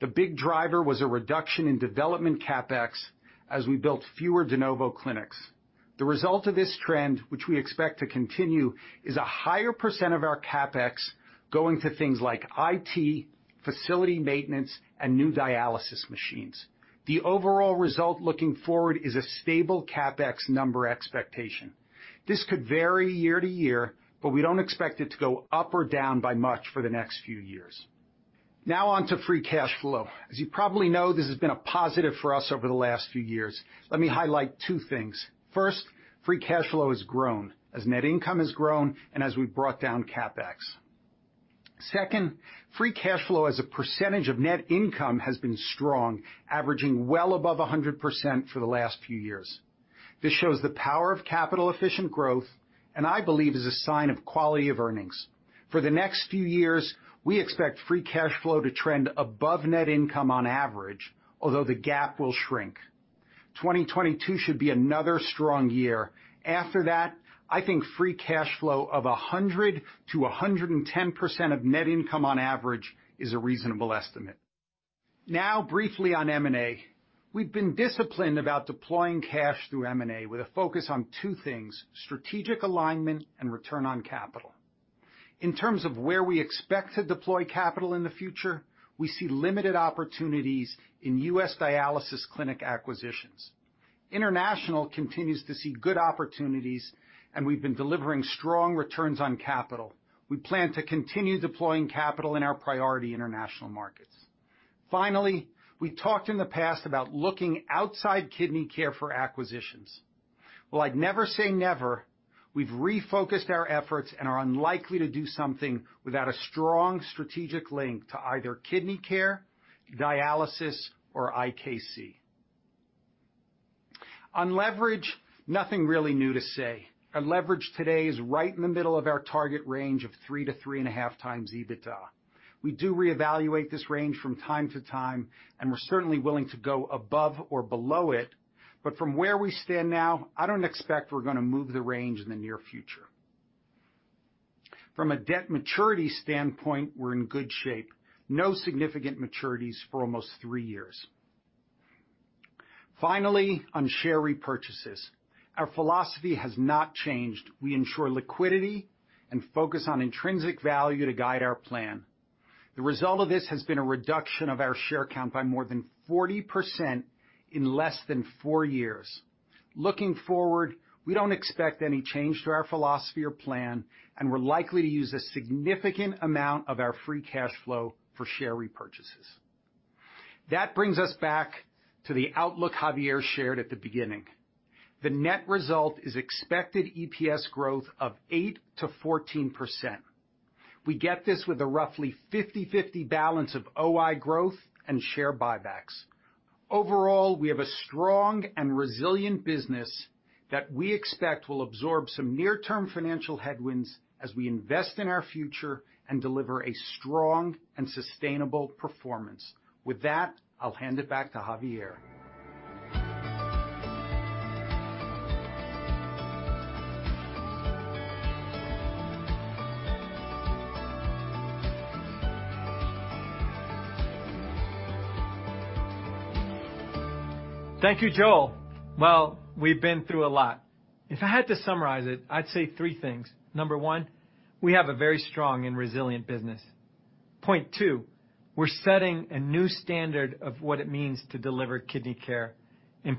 The big driver was a reduction in development CapEx as we built fewer de novo clinics. The result of this trend, which we expect to continue, is a higher percent of our CapEx going to things like IT, facility maintenance, and new dialysis machines. The overall result looking forward is a stable CapEx number expectation. This could vary year to year, but we don't expect it to go up or down by much for the next few years. Now on to free cash flow. As you probably know, this has been a positive for us over the last few years. Let me highlight two things. First, free cash flow has grown as net income has grown and as we brought down CapEx. Second, free cash flow as a percentage of net income has been strong, averaging well above 100% for the last few years. This shows the power of capital-efficient growth, and I believe is a sign of quality of earnings. For the next few years, we expect free cash flow to trend above net income on average, although the gap will shrink. 2022 should be another strong year. After that, I think free cash flow of 100%-110% of net income on average is a reasonable estimate. Now briefly on M&A. We've been disciplined about deploying cash through M&A with a focus on two things, strategic alignment and return on capital. In terms of where we expect to deploy capital in the future, we see limited opportunities in U.S. dialysis clinic acquisitions. International continues to see good opportunities, and we've been delivering strong returns on capital. We plan to continue deploying capital in our priority international markets. Finally, we talked in the past about looking outside kidney care for acquisitions. While I'd never say never, we've refocused our efforts and are unlikely to do something without a strong strategic link to either kidney care, dialysis, or IKC. On leverage, nothing really new to say. Our leverage today is right in the middle of our target range of 3-3.5x EBITDA. We do reevaluate this range from time to time, and we're certainly willing to go above or below it, but from where we stand now, I don't expect we're going to move the range in the near future. From a debt maturity standpoint, we're in good shape. No significant maturities for almost 3 years. Finally, on share repurchases. Our philosophy has not changed. We ensure liquidity and focus on intrinsic value to guide our plan. The result of this has been a reduction of our share count by more than 40% in less than four years. Looking forward, we don't expect any change to our philosophy or plan, and we're likely to use a significant amount of our free cash flow for share repurchases. That brings us back to the outlook Javier shared at the beginning. The net result is expected EPS growth of 8%-14%. We get this with a roughly 50/50 balance of OI growth and share buybacks. Overall, we have a strong and resilient business that we expect will absorb some near-term financial headwinds as we invest in our future and deliver a strong and sustainable performance. With that, I'll hand it back to Javier. Thank you, Joel. Well, we've been through a lot. If I had to summarize it, I'd say three things. Number one, we have a very strong and resilient business. Point two, we're setting a new standard of what it means to deliver kidney care.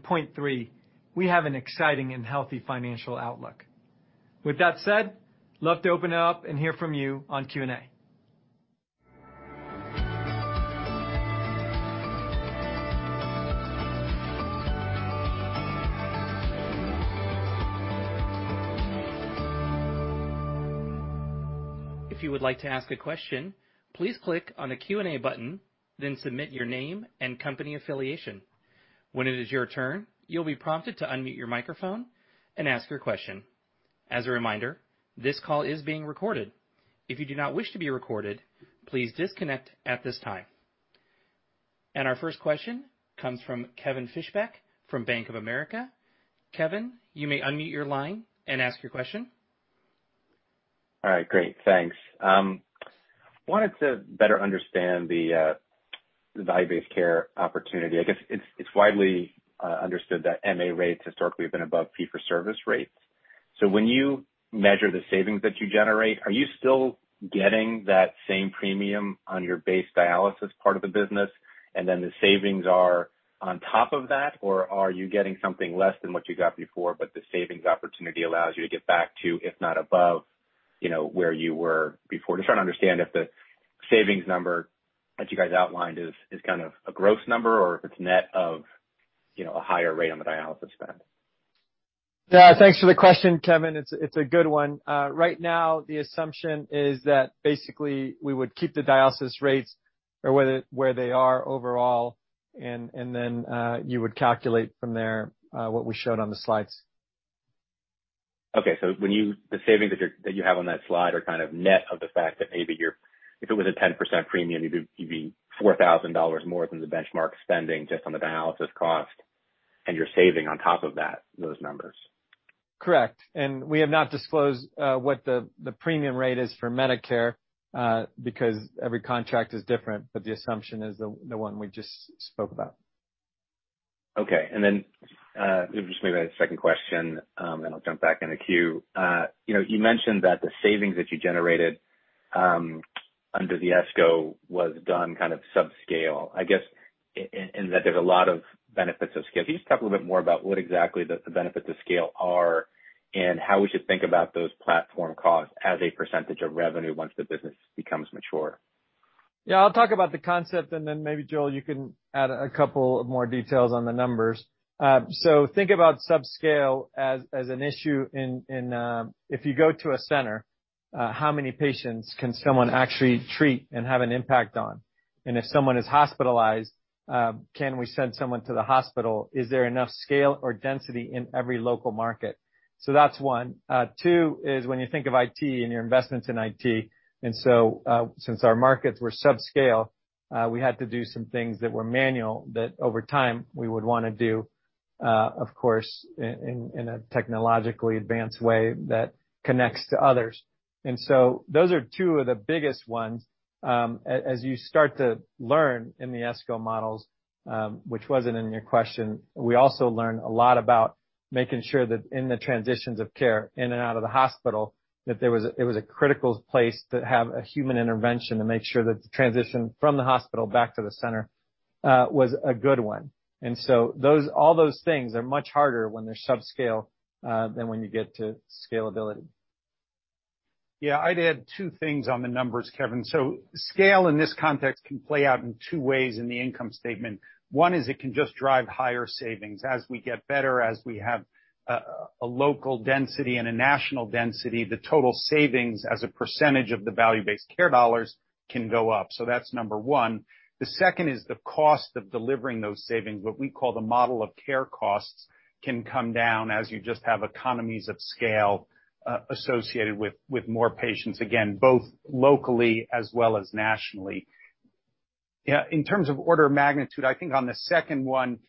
Point three, we have an exciting and healthy financial outlook. With that said, I'd love to open it up and hear from you on Q&A. If you would like to ask a question, please click on the Q&A button, then submit your name and company affiliation. When it is your turn, you'll be prompted to unmute your microphone and ask your question. As a reminder, this call is being recorded. If you do not wish to be recorded, please disconnect at this time. Our first question comes from Kevin Fischbeck from Bank of America. Kevin, you may unmute your line and ask your question. All right. Great. Thanks. I wanted to better understand the value-based care opportunity. I guess it's widely understood that MA rates historically have been above fee-for-service rates. When you measure the savings that you generate, are you still getting that same premium on your base dialysis part of the business, and then the savings are on top of that? Or are you getting something less than what you got before, but the savings opportunity allows you to get back to, if not above, you know, where you were before? I'm just trying to understand if the savings number that you guys outlined is kind of a gross number or if it's net of, you know, a higher rate on the dialysis spend. Yeah. Thanks for the question, Kevin. It's a good one. Right now, the assumption is that basically we would keep the dialysis rates or where they are overall, and then you would calculate from there, what we showed on the slides. The savings that you have on that slide are kind of net of the fact that if it was a 10% premium, you'd be $4,000 more than the benchmark spending just on the dialysis cost, and you're saving on top of that, those numbers. Correct. We have not disclosed what the premium rate is for Medicare because every contract is different, but the assumption is the one we just spoke about. Okay. Just maybe a second question, and I'll jump back in the queue. You know, you mentioned that the savings that you generated under the ESCO was done kind of subscale. I guess in that there's a lot of benefits of scale. Can you just talk a little bit more about what exactly the benefits of scale are and how we should think about those platform costs as a percentage of revenue once the business becomes mature? Yeah, I'll talk about the concept, and then maybe Joel, you can add a couple more details on the numbers. Think about subscale as an issue in if you go to a center, how many patients can someone actually treat and have an impact on. If someone is hospitalized, can we send someone to the hospital. Is there enough scale or density in every local market. That's one. Two is when you think of IT and your investments in IT, and since our markets were subscale, we had to do some things that were manual that over time we would want to do, of course, in a technologically advanced way that connects to others. Those are two of the biggest ones. As you start to learn in the ESCO models, which wasn't in your question, we also learned a lot about making sure that in the transitions of care in and out of the hospital, it was a critical place to have a human intervention to make sure that the transition from the hospital back to the center was a good one. All those things are much harder when they're subscale than when you get to scalability. Yeah. I'd add two things on the numbers, Kevin. Scale, in this context, can play out in two ways in the income statement. One is it can just drive higher savings. As we get better, as we have a local density and a national density, the total savings as a percentage of the value-based care dollars can go up. That's number one. The second is the cost of delivering those savings, what we call the model of care costs, can come down as you just have economies of scale associated with more patients, again, both locally as well as nationally. Yeah, in terms of order of magnitude, I think on the second one,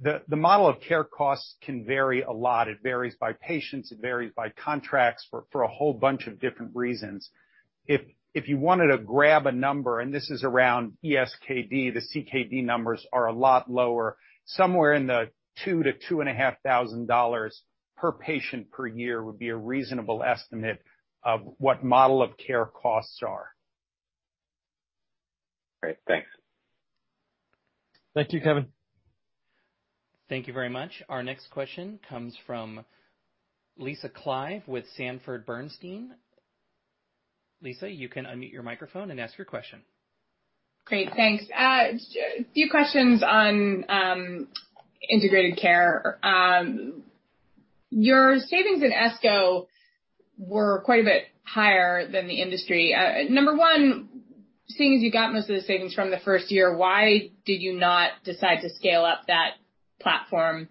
the model of care costs can vary a lot. It varies by patients, it varies by contracts for a whole bunch of different reasons. If you wanted to grab a number, and this is around ESKD, the CKD numbers are a lot lower, somewhere in the $2,000-$2,500 per patient per year would be a reasonable estimate of what model of care costs are. Great. Thanks. Thank you, Kevin. Thank you very much. Our next question comes from Lisa Clive with Sanford C. Bernstein. Lisa, you can unmute your microphone and ask your question. Great. Thanks. A few questions on integrated care. Your savings in ESCO were quite a bit higher than the industry. Number one, seeing as you got most of the savings from the first year, why did you not decide to scale up that platform?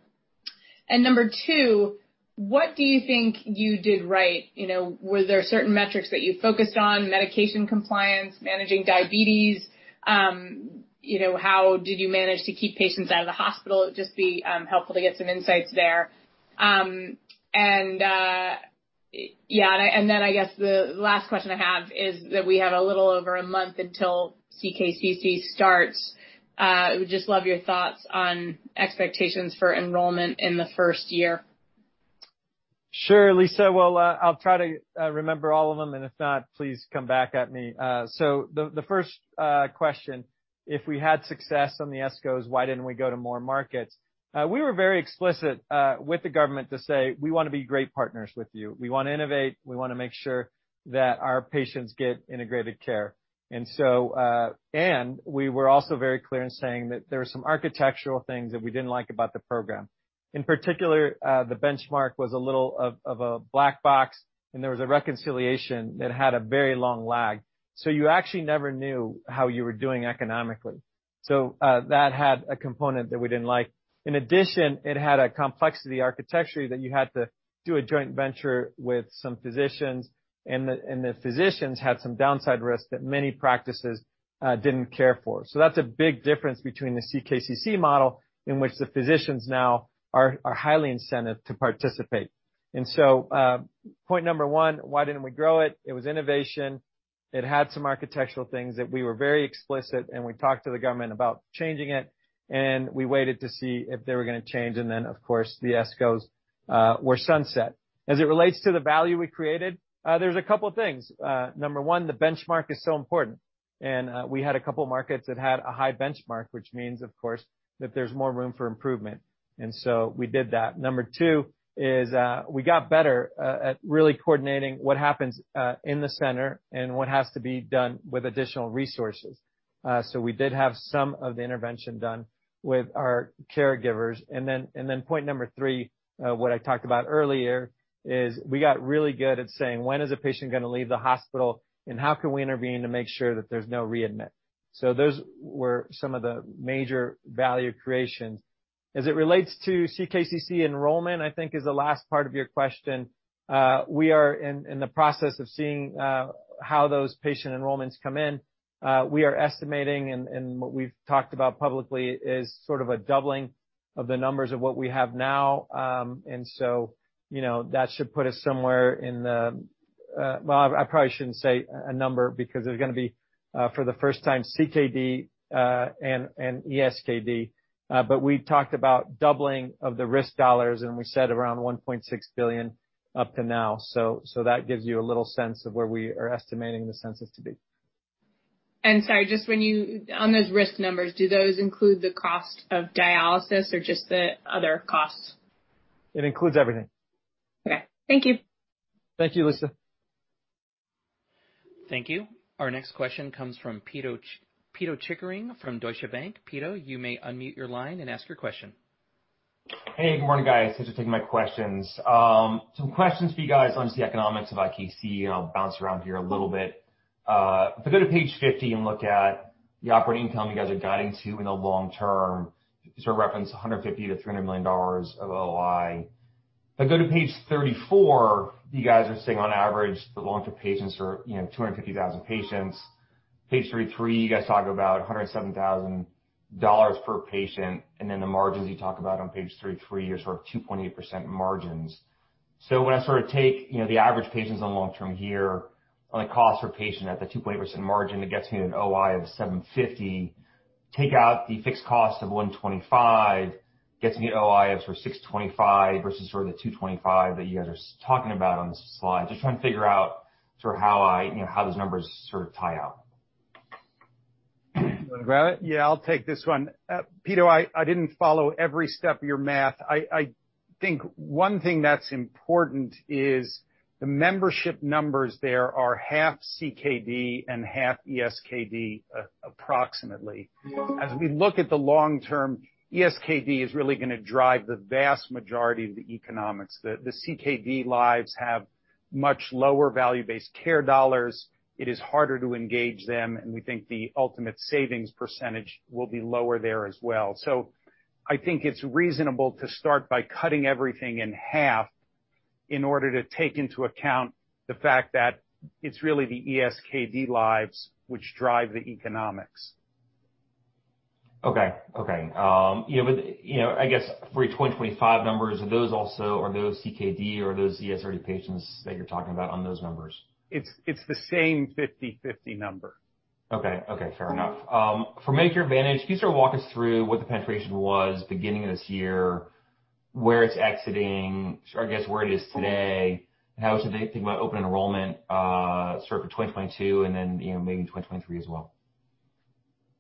Number two, what do you think you did right? You know, were there certain metrics that you focused on, medication compliance, managing diabetes? You know, how did you manage to keep patients out of the hospital? It'd just be helpful to get some insights there. I guess the last question I have is that we have a little over a month until CKCC starts. Would just love your thoughts on expectations for enrollment in the first year. Sure, Lisa. Well, I'll try to remember all of them, and if not, please come back at me. The first question, if we had success on the ESCOs, why didn't we go to more markets? We were very explicit with the government to say, "We want to be great partners with you. We want to innovate. We want to make sure that our patients get integrated care." We were also very clear in saying that there were some architectural things that we didn't like about the program. In particular, the benchmark was a little of a black box, and there was a reconciliation that had a very long lag. You actually never knew how you were doing economically. That had a component that we didn't like. In addition, it had a complexity architecturally that you had to do a joint venture with some physicians, and the physicians had some downside risks that many practices didn't care for. That's a big difference between the CKCC model in which the physicians now are highly incented to participate. Point number one, why didn't we grow it? It was innovation. It had some architectural things that we were very explicit, and we talked to the government about changing it, and we waited to see if they were going to change. Of course, the ESCOs were sunset. As it relates to the value we created, there's a couple things. Number one, the benchmark is so important. We had a couple markets that had a high benchmark, which means, of course, that there's more room for improvement. We did that. Number two is, we got better, at really coordinating what happens, in the center and what has to be done with additional resources. We did have some of the intervention done with our caregivers. Point number three, what I talked about earlier, is we got really good at saying, "When is a patient going to leave the hospital, and how can we intervene to make sure that there's no readmit?" Those were some of the major value creations. As it relates to CKCC enrollment, I think is the last part of your question. We are in the process of seeing, how those patient enrollments come in. We are estimating and what we've talked about publicly is sort of a doubling of the numbers of what we have now. you know, that should put us somewhere in the well, I probably shouldn't say a number because there's going to be, for the first time, CKD and ESKD. But we talked about doubling of the risk dollars, and we said around $1.6 billion up to now. So that gives you a little sense of where we are estimating the census to be. Sorry, on those risk numbers, do those include the cost of dialysis or just the other costs? It includes everything. Okay. Thank you. Thank you, Lisa. Thank you. Our next question comes from Pito Chickering from Deutsche Bank. Pito, you may unmute your line and ask your question. Hey, good morning, guys. Thanks for taking my questions. Some questions for you guys on just the economics of IKC, and I'll bounce around here a little bit. If I go to page 50 and look at the operating income you guys are guiding to in the long term, you sort of reference $150 million–$300 million of OI. If I go to page 34, you guys are saying on average, the long-term patients are, you know, 250,000 patients. Page 33, you guys talk about $107,000 per patient, and then the margins you talk about on page 33 are sort of 2.8% margins. When I sort of take, you know, the average patients on long term here, on the cost per patient at the 2.8% margin, it gets me an OI of $750. Take out the fixed cost of $125, gets me an OI of sort of $625 versus sort of the $225 that you guys are saying about on the slide. Just trying to figure out sort of how I, you know, how those numbers sort of tie out. You want to grab it? Yeah, I'll take this one. Pito, I didn't follow every step of your math. I think one thing that's important is the membership numbers there are half CKD and half ESKD, approximately. As we look at the long term, ESKD is really going to drive the vast majority of the economics. The CKD lives have much lower value-based care dollars. It is harder to engage them, and we think the ultimate savings percentage will be lower there as well. I think it's reasonable to start by cutting everything in half in order to take into account the fact that it's really the ESKD lives which drive the economics. Yeah, but, you know, I guess for your 2025 numbers, are those also CKD or ESRD patients that you're talking about on those numbers? It's the same 50/50 number. Okay. Fair enough. For Medicare Advantage, can you sort of walk us through what the penetration was beginning of this year, where it's exiting, or I guess where it is today, and how it's updating about open enrollment, sort of for 2022 and then, you know, maybe in 2023 as well?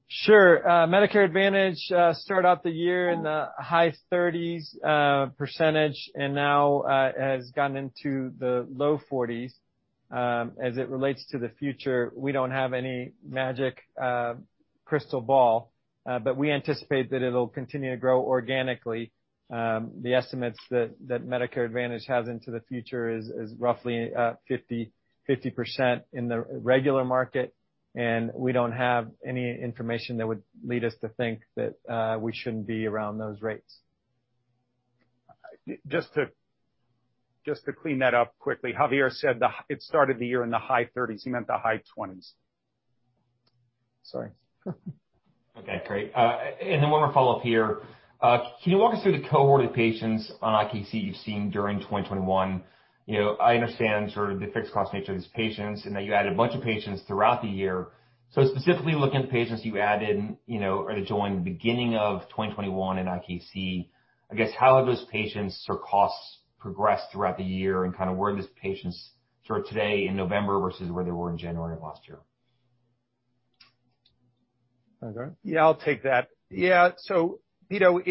Sure. Medicare Advantage started out the year in the high 30s percentage, and now has gotten into the low 40s. As it relates to the future, we don't have any magic crystal ball, but we anticipate that it'll continue to grow organically. The estimates that Medicare Advantage has into the future is roughly 50% in the regular market, and we don't have any information that would lead us to think that we shouldn't be around those rates. Just to clean that up quickly, Javier said it started the year in the high 30s. He meant the high 20s. Sorry. Okay, great. One more follow-up here. Can you walk us through the cohort of patients on IKC you've seen during 2021? You know, I understand sort of the fixed cost nature of these patients and that you added a bunch of patients throughout the year. Specifically looking at the patients you added, you know, or that joined the beginning of 2021 in IKC, I guess, how have those patients or costs progressed throughout the year and kind of where are those patients sort of today in November versus where they were in January of last year? want to go? Yeah, I'll take that. Yeah. You know,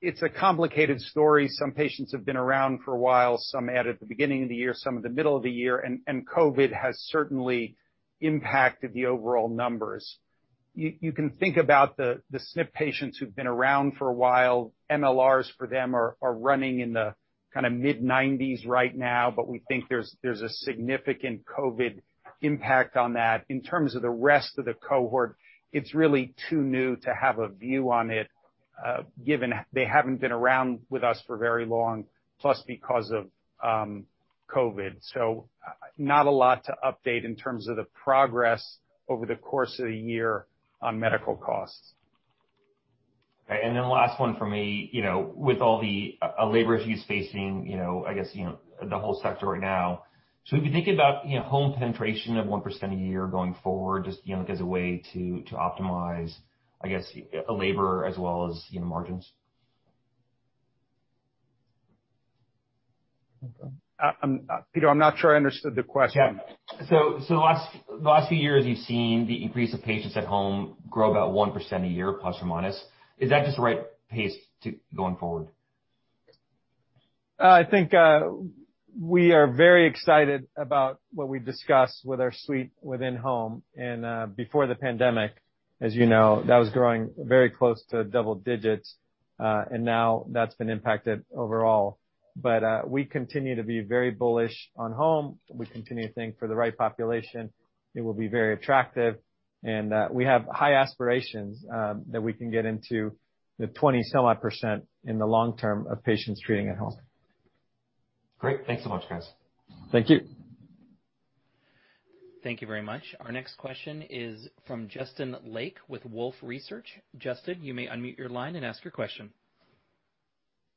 it's a complicated story. Some patients have been around for a while, some added at the beginning of the year, some in the middle of the year, and COVID-19 has certainly impacted the overall numbers. You can think about the SNF patients who've been around for a while. MLRs for them are running in the kind of mid-90s right now, but we think there's a significant COVID-19 impact on that. In terms of the rest of the cohort, it's really too new to have a view on it, given they haven't been around with us for very long, plus because of COVID-19. Not a lot to update in terms of the progress over the course of the year on medical costs. Okay. And then last one for me. You know, with all the, labor issues facing, you know, I guess, you know, the whole sector right now. If you think about, you know, home penetration of 1% a year going forward, just, you know, as a way to optimize, I guess, labor as well as, you know, margins. Pito, I'm not sure I understood the question. The last few years, you've seen the increase of patients at home grow about 1% a year, plus or minus. Is that just the right pace going forward? I think we are very excited about what we've discussed with our suite within home. Before the pandemic, as you know, that was growing very close to double digits, and now that's been impacted overall. We continue to be very bullish on home. We continue to think for the right population, it will be very attractive. We have high aspirations that we can get into the 20-some odd percennt in the long term of patients treating at home. Great. Thanks so much, guys. Thank you. Thank you very much. Our next question is from Justin Lake with Wolfe Research. Justin, you may unmute your line and ask your question.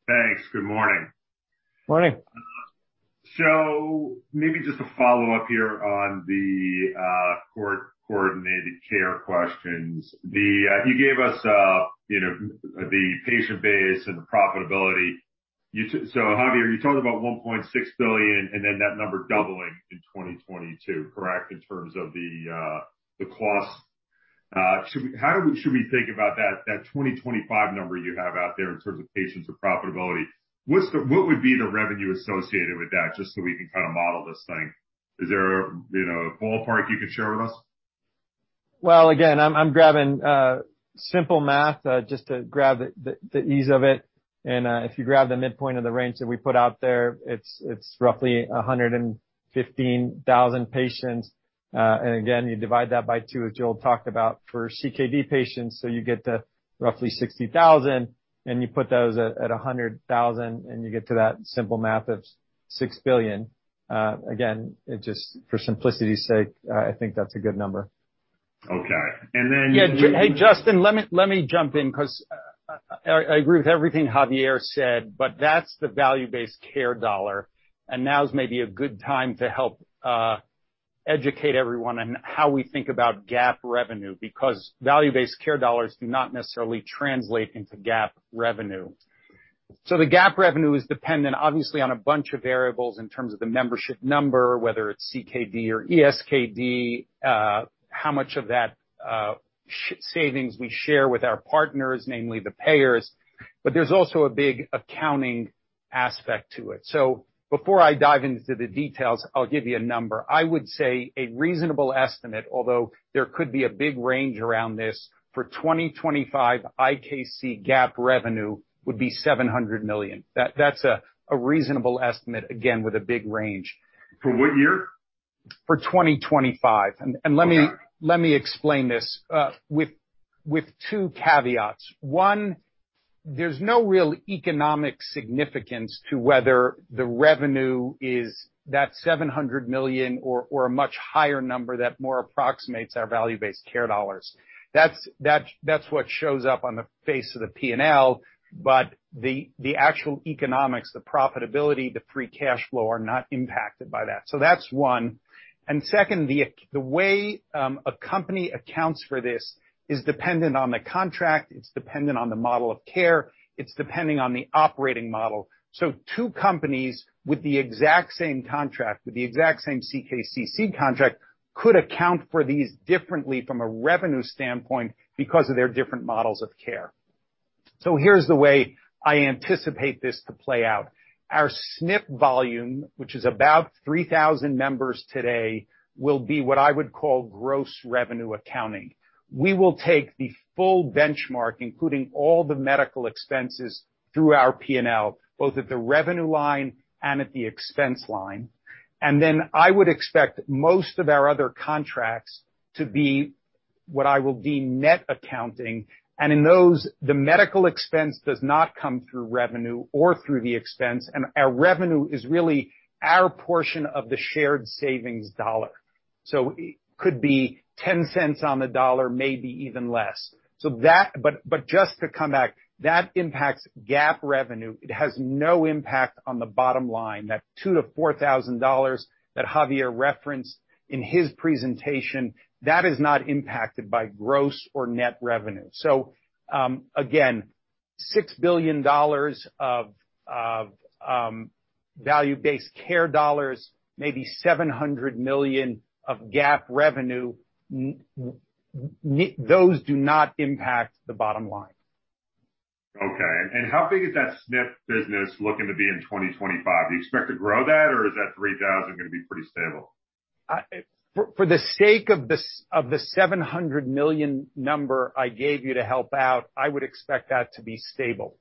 Thanks. Good morning. Morning. Maybe just to follow up here on the coordinated care questions. You gave us, you know, the patient base and the profitability. Javier, you talked about $1.6 billion and then that number doubling in 2022, correct, in terms of the cost? How should we think about that 2025 number you have out there in terms of patients or profitability? What would be the revenue associated with that, just so we can kind of model this thing? Is there a ballpark you could share with us? Well, again, I'm grabbing simple math just to grab the ease of it. If you grab the midpoint of the range that we put out there, it's roughly 115,000 patients. Again, you divide that by two, as Joel talked about, for CKD patients, so you get to roughly 60,000, and you put those at $100,000, and you get to that simple math of $6 billion. It's just for simplicity's sake, I think that's a good number. Okay. Yeah. Hey, Justin, let me jump in because I agree with everything Javier said, but that's the value-based care dollar, and now is maybe a good time to help educate everyone on how we think about GAAP revenue, because value-based care dollars do not necessarily translate into GAAP revenue. The GAAP revenue is dependent, obviously, on a bunch of variables in terms of the membership number, whether it's CKD or ESKD, how much of that savings we share with our partners, namely the payers, but there's also a big accounting aspect to it. Before I dive into the details, I'll give you a number. I would say a reasonable estimate, although there could be a big range around this, for 2025, IKC GAAP revenue would be $700 million. That's a reasonable estimate, again, with a big range. For what year? For 2025. Okay. Let me explain this with two caveats. One, there's no real economic significance to whether the revenue is that $700 million or a much higher number that more approximates our value-based care dollars. That's what shows up on the face of the P&L, but the actual economics, the profitability, the free cash flow are not impacted by that. That's one. Second, the way a company accounts for this is dependent on the contract, it's dependent on the model of care, it's depending on the operating model. Two companies with the exact same contract, with the exact same CKCC contract could account for these differently from a revenue standpoint because of their different models of care. Here's the way I anticipate this to play out. Our SNF volume, which is about 3,000 members today, will be what I would call gross revenue accounting. We will take the full benchmark, including all the medical expenses, through our P&L, both at the revenue line and at the expense line. I would expect most of our other contracts to be what I will deem net accounting. In those, the medical expense does not come through revenue or through the expense, and our revenue is really our portion of the shared savings dollar. It could be 10 cents on the dollar, maybe even less. But just to come back, that impacts GAAP revenue. It has no impact on the bottom line. That $2,000–$4,000 that Javier referenced in his presentation, that is not impacted by gross or net revenue. Again, $6 billion of value-based care dollars, maybe $700 million of GAAP revenue, those do not impact the bottom line. Okay. How big is that SNF business looking to be in 2025? Do you expect to grow that, or is that 3,000 going to be pretty stable? For the sake of the $700 million number I gave you to help out, I would expect that to be stable.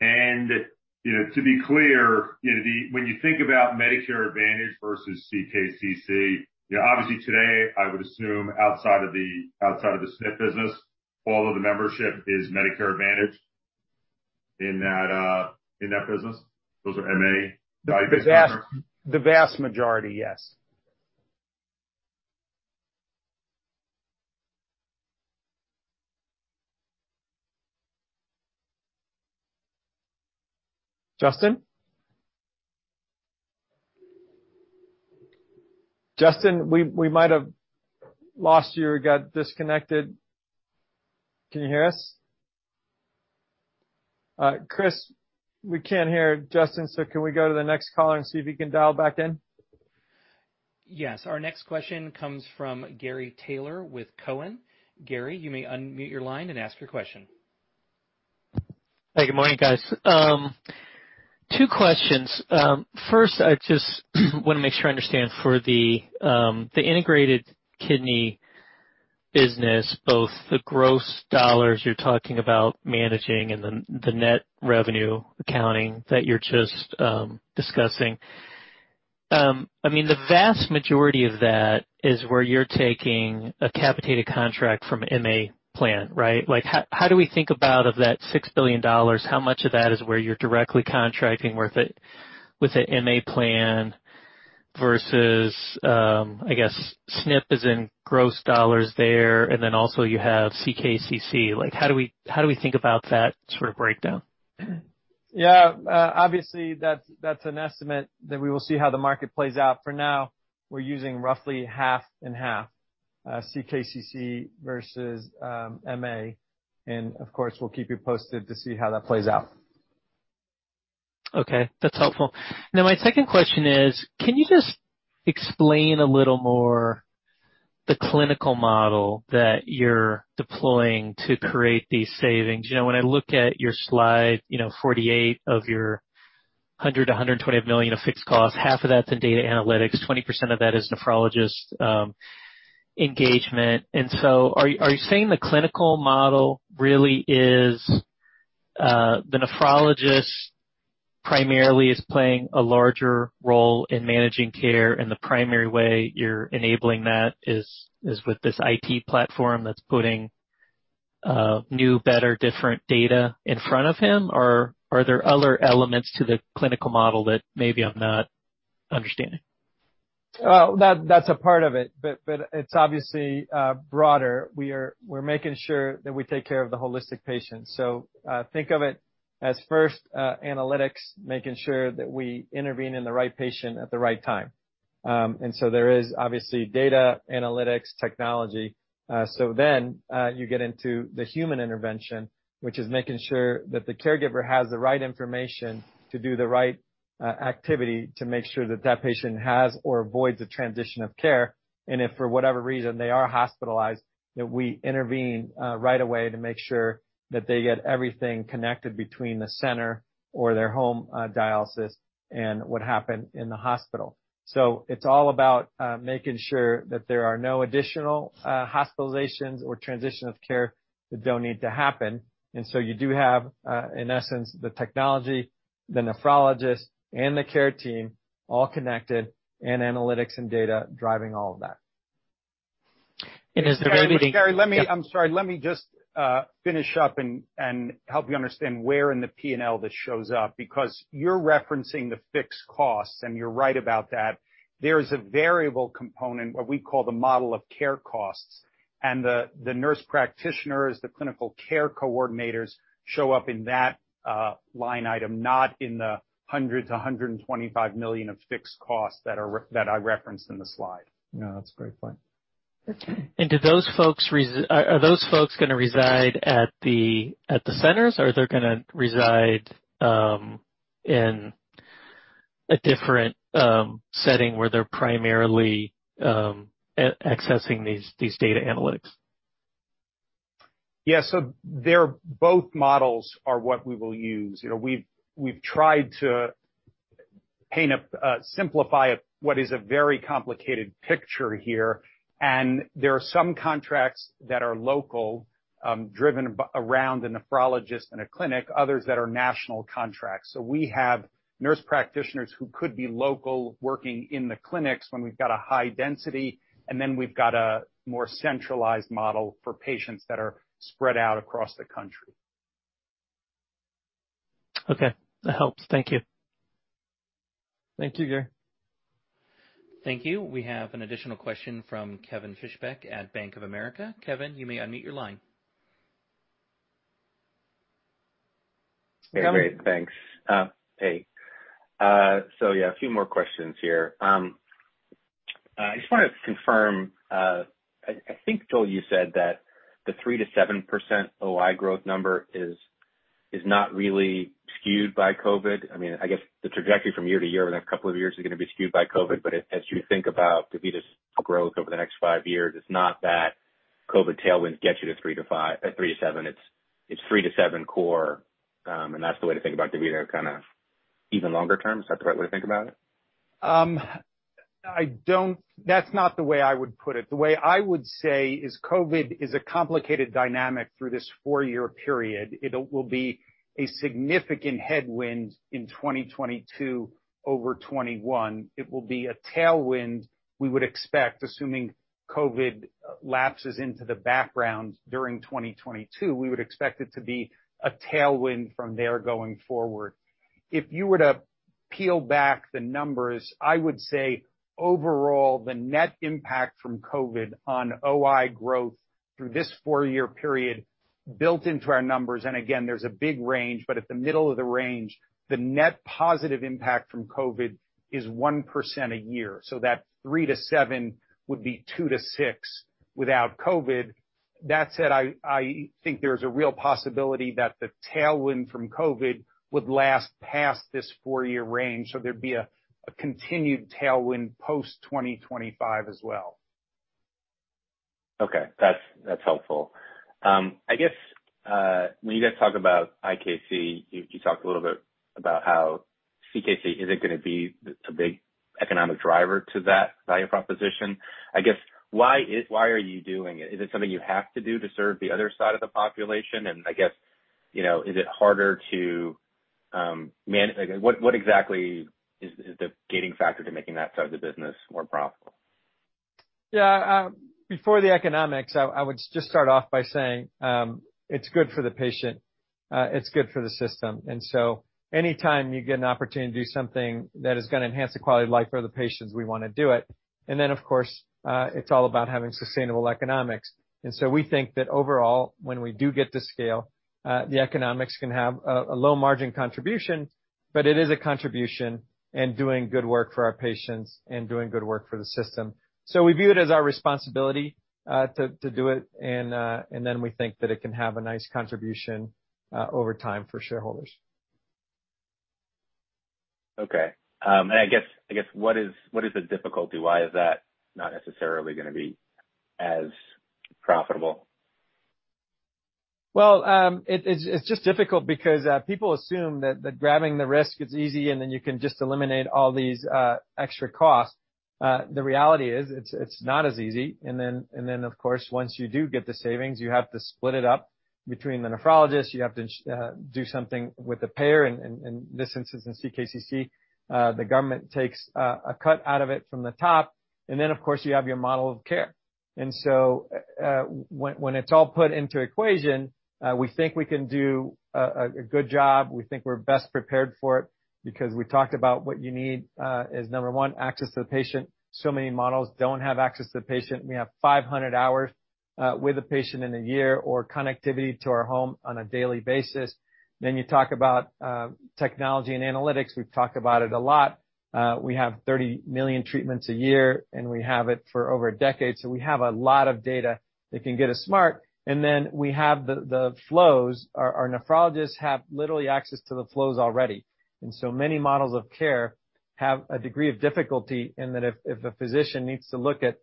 Okay. You know, to be clear, you know, when you think about Medicare Advantage versus CKCC, you know, obviously today, I would assume outside of the SNF business, all of the membership is Medicare Advantage in that business? Those are MA value-based members? The vast majority, yes. Justin? Justin, we might have lost you or got disconnected. Can you hear us? Chris, we can't hear Justin, so can we go to the next caller and see if he can dial back in? Yes. Our next question comes from Gary Taylor with Cowen. Gary, you may unmute your line and ask your question. Hey, good morning, guys. Two questions. First, I just want to make sure I understand for the integrated kidney business, both the gross dollars you're talking about managing and then the net revenue accounting that you're just discussing. I mean, the vast majority of that is where you're taking a capitated contract from MA plan, right? Like, how do we think about of that $6 billion, how much of that is where you're directly contracting with a MA plan versus, I guess, SNF is in gross dollars there, and then also you have CKCC. Like, how do we think about that sort of breakdown? Yeah. Obviously, that's an estimate that we will see how the market plays out. For now, we're using roughly half and half, CKCC versus MA, and of course, we'll keep you posted to see how that plays out. Okay. That's helpful. Now, my second question is, can you just explain a little more the clinical model that you're deploying to create these savings? You know, when I look at your slide, you know, 48 of your $100 million–$120 million of fixed costs, half of that's in data analytics, 20% of that is nephrologist engagement. Are you saying the clinical model really is the nephrologist primarily is playing a larger role in managing care, and the primary way you're enabling that is with this IT platform that's putting new, better, different data in front of him? Or are there other elements to the clinical model that maybe I'm not understanding? That's a part of it, but it's obviously broader. We're making sure that we take care of the holistic patient. Think of it as first analytics, making sure that we intervene in the right patient at the right time. There is obviously data analytics technology. You get into the human intervention, which is making sure that the caregiver has the right information to do the right activity to make sure that the patient has or avoids a transition of care. If for whatever reason they are hospitalized, we intervene right away to make sure that they get everything connected between the center or their home dialysis and what happened in the hospital. It's all about making sure that there are no additional hospitalizations or transition of care that don't need to happen. You do have, in essence, the technology, the nephrologist, and the care team all connected and analytics and data driving all of that. Is there any- Gary, let me. I'm sorry. Let me just finish up and help you understand where in the P&L this shows up, because you're referencing the fixed costs, and you're right about that. There is a variable component, what we call the model of care costs. The nurse practitioners, the clinical care coordinators show up in that line item, not in the $100 million–$125 million of fixed costs that I referenced in the slide. No, that's very fine. Do those folks reside at the centers, or are they going to reside in a different setting where they're primarily accessing these data analytics? Yeah. They're both models are what we will use. You know, we've tried to paint a simplified what is a very complicated picture here, and there are some contracts that are local, driven by the nephrologist in a clinic, others that are national contracts. We have nurse practitioners who could be local working in the clinics when we've got a high density, and then we've got a more centralized model for patients that are spread out across the country. Okay. That helps. Thank you. Thank you, Gary. Thank you. We have an additional question from Kevin Fischbeck at Bank of America. Kevin, you may unmute your line. Great. Thanks. Hey. Yeah, a few more questions here. I just wanted to confirm. I think, Joel, you said that the 3%–7% OI growth number is not really skewed by COVID-19. I mean, I guess the trajectory from year to year in the next couple of years is going to be skewed by COVID-19. As you think about DaVita’s growth over the next 5 years, it's not that COVID-19 tailwinds get you to 3%–7%, it's 3%–7% core, and that's the way to think about DaVita kind of even longer term. Is that the right way to think about it? I don't. That's not the way I would put it. The way I would say is COVID-19 is a complicated dynamic through this four-year period. It will be a significant headwind in 2022 over 2021. It will be a tailwind, we would expect, assuming COVID-19 lapses into the background during 2022. We would expect it to be a tailwind from there going forward. If you were to peel back the numbers, I would say overall the net impact from COVID-19 on OI growth through this four-year period built into our numbers, and again, there's a big range, but at the middle of the range, the net positive impact from COVID-19 is 1% a year. So that 3%–7% would be 2%–6% without COVID. That said, I think there's a real possibility that the tailwind from COVID-19 would last past this four-year range, so there'd be a continued tailwind post-2025 as well. Okay. That's helpful. I guess when you guys talk about IKC, you talked a little bit about how CKCC is going to be a big economic driver to that value proposition? I guess why are you doing it? Is it something you have to do to serve the other side of the population? I guess you know is it harder to like what exactly is the gating factor to making that side of the business more profitable? Yeah, before the economics, I would just start off by saying, it's good for the patient. It's good for the system. Any time you get an opportunity to do something that is going to enhance the quality of life for the patients, we want to do it. Of course, it's all about having sustainable economics. We think that overall, when we do get to scale, the economics can have a low margin contribution, but it is a contribution and doing good work for our patients and doing good work for the system. We view it as our responsibility to do it. We think that it can have a nice contribution over time for shareholders. Okay. I guess what is the difficulty? Why is that not necessarily going to be as profitable? It's just difficult because people assume that grabbing the risk is easy, and then you can just eliminate all these extra costs. The reality is, it's not as easy. Of course, once you do get the savings, you have to split it up between the nephrologist, you have to do something with the payer. This instance in CKCC, the government takes a cut out of it from the top. Of course, you have your model of care. When it's all put into equation, we think we can do a good job. We think we're best prepared for it because we talked about what you need is number one, access to the patient. Many models don't have access to the patient, and we have 500 hours with a patient in a year or connectivity to our home on a daily basis. You talk about technology and analytics. We've talked about it a lot. We have 30 million treatments a year, and we have it for over a decade, so we have a lot of data that can get us smart. We have the flows. Our nephrologists have literally access to the flows already. So many models of care have a degree of difficulty in that if a physician needs to look at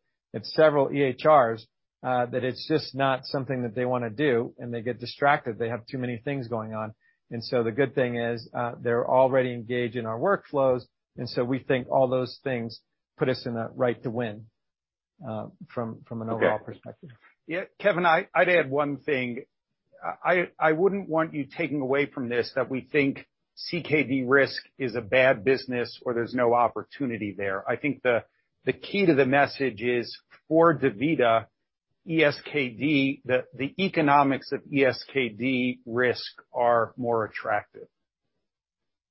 several EHRs, that it's just not something that they want to do, and they get distracted. They have too many things going on. The good thing is, they're already engaged in our workflows, and so we think all those things put us in the right to win, from an overall perspective. Okay. Yeah. Kevin, I'd add one thing. I wouldn't want you taking away from this that we think CKD risk is a bad business or there's no opportunity there. I think the key to the message is for DaVita, ESKD, the economics of ESKD risk are more attractive.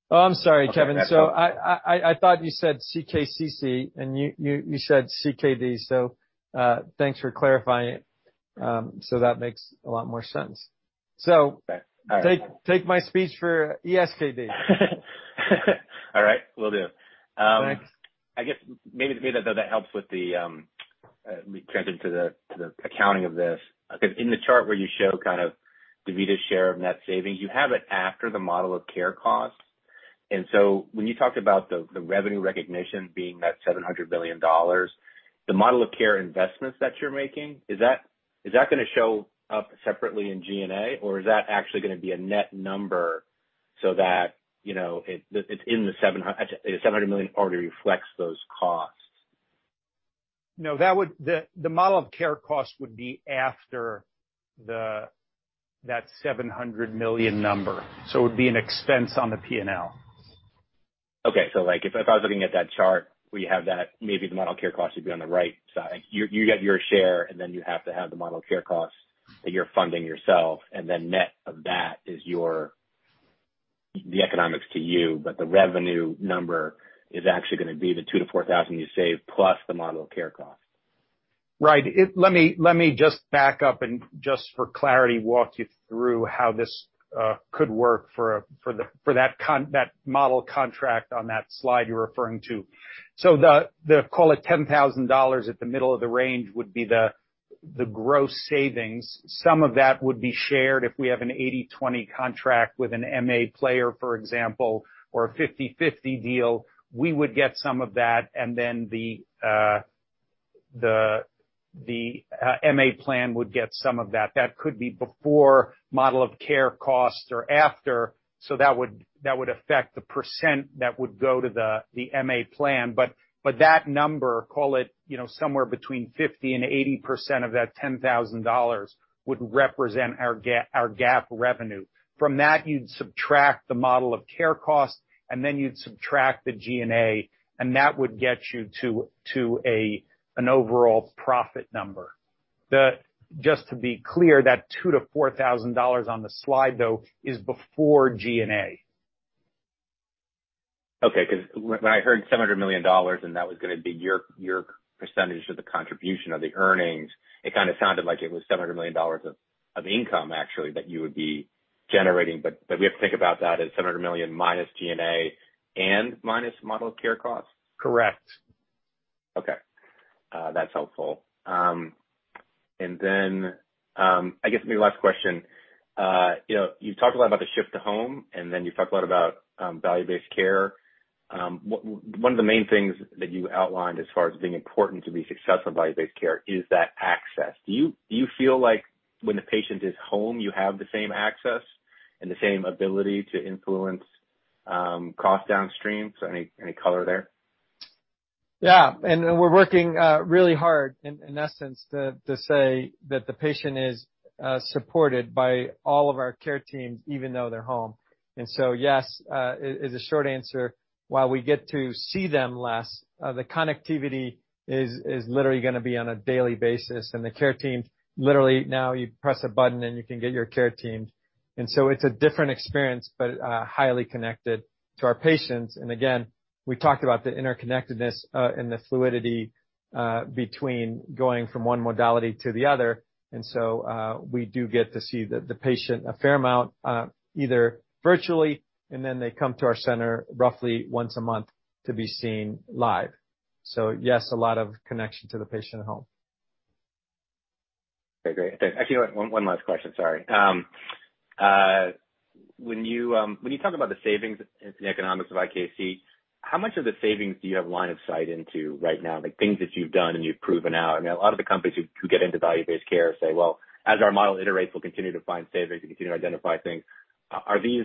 Oh, I'm sorry, Kevin. I thought you said CKCC, and you said CKD, so thanks for clarifying it. That makes a lot more sense. Okay. All right. Take my speech for ESKD. All right, will do. Thanks. I guess maybe to me that helps with the transition to the accounting of this. Okay. In the chart where you show kind of DaVita’s share of net savings, you have it after the model of care costs. When you talked about the revenue recognition being that $700 million, the model of care investments that you are making, is that going to show up separately in G&A? Or is that actually going to be a net number so that, you know, the $700 million already reflects those costs? No, that would be after the $700 million number. The model of care costs would be an expense on the P&L. Okay. Like, if I was looking at that chart where you have that, maybe the model of care cost would be on the right side. You get your share, and then you have to have the model of care costs that you're funding yourself, and then net of that is your, the economics to you. But the revenue number is actually going to be the $2,000–$4,000 you save plus the model of care cost. Right. Let me just back up and just for clarity, walk you through how this could work for that model contract on that slide you're referring to. The call it $10,000 at the middle of the range would be the gross savings. Some of that would be shared if we have an 80/20 contract with an MA player, for example, or a 50/50 deal. We would get some of that, and then the MA plan would get some of that. That could be before model of care costs or after. That would affect the percent that would go to the MA plan. that number, call it, you know, somewhere between 50% and 80% of that $10,000 would represent our G&A revenue. From that, you'd subtract the model of care cost, and then you'd subtract the G&A, and that would get you to an overall profit number. Just to be clear, that $2,000–$4,000 on the slide, though, is before G&A. Okay, 'cause when I heard $700 million and that was going to be your percentage of the contribution of the earnings, it kind of sounded like it was $700 million of income actually that you would be generating. We have to think about that as $700 million minus G&A and minus model of care costs? Correct. Okay. That's helpful. I guess maybe last question. You know, you've talked a lot about the shift to home, and then you've talked a lot about value-based care. One of the main things that you outlined as far as being important to be successful in value-based care is that access. Do you feel like when the patient is home, you have the same access and the same ability to influence cost downstream? Any color there? Yeah. We're working really hard in essence to say that the patient is supported by all of our care teams, even though they're home. Yes is a short answer. While we get to see them less, the connectivity is literally going to be on a daily basis. The care team, literally now you press a button, and you can get your care team. It's a different experience, but highly connected to our patients. Again, we talked about the interconnectedness and the fluidity between going from one modality to the other. We do get to see the patient a fair amount, either virtually, and then they come to our center roughly once a month to be seen live. Yes, a lot of connection to the patient at home. Okay, great. Thanks. Actually, one last question, sorry. When you talk about the savings and the economics of IKC, how much of the savings do you have line of sight into right now? Like, things that you've done and you've proven out. I know a lot of the companies who get into value-based care say, "Well, as our model iterates, we'll continue to find savings and continue to identify things." Are these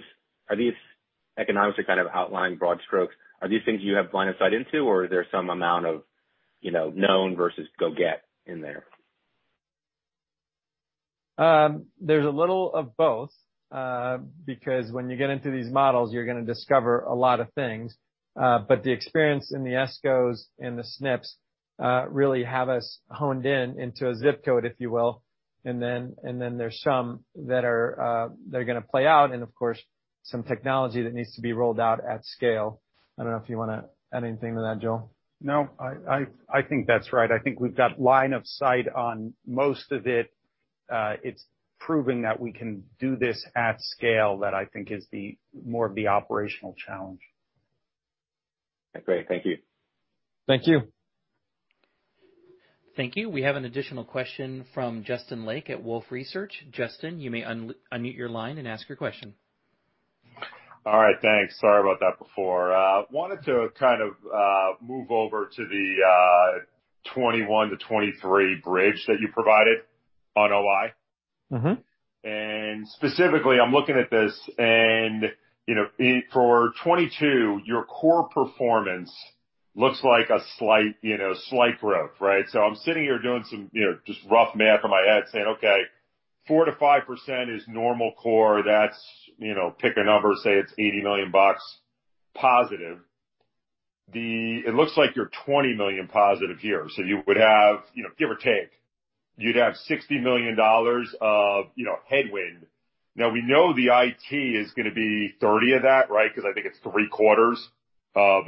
economics kind of outlining broad strokes. Are these things you have line of sight into, or is there some amount of, you know, known versus go get in there? There's a little of both, because when you get into these models, you're going to discover a lot of things. The experience in the ESCOs and the SNPs really have us honed in into a ZIP Code, if you will. There's some that are going to play out, and of course, some technology that needs to be rolled out at scale. I don't know if you want to add anything to that, Joel. No, I think that's right. I think we've got line of sight on most of it. It's proving that we can do this at scale that I think is the more of the operational challenge. Okay, great. Thank you. Thank you. Thank you. We have an additional question from Justin Lake at Wolfe Research. Justin, you may unmute your line and ask your question. All right, thanks. Sorry about that before. Wanted to kind of move over to the 2021–2023 bridge that you provided on OI. Mm-hmm. Specifically, I'm looking at this, and, you know, in for 2022, your core performance looks like a slight, you know, slight growth, right? I'm sitting here doing some, you know, just rough math in my head saying, okay, 4%–5% is normal core. That's, you know, pick a number, say it's $80 million positive. It looks like you're $20 million positive here. You would have, you know, give or take, you'd have $60 million of, you know, headwind. Now we know the IT is going to be $30 million of that, right? Because I think it's three quarters of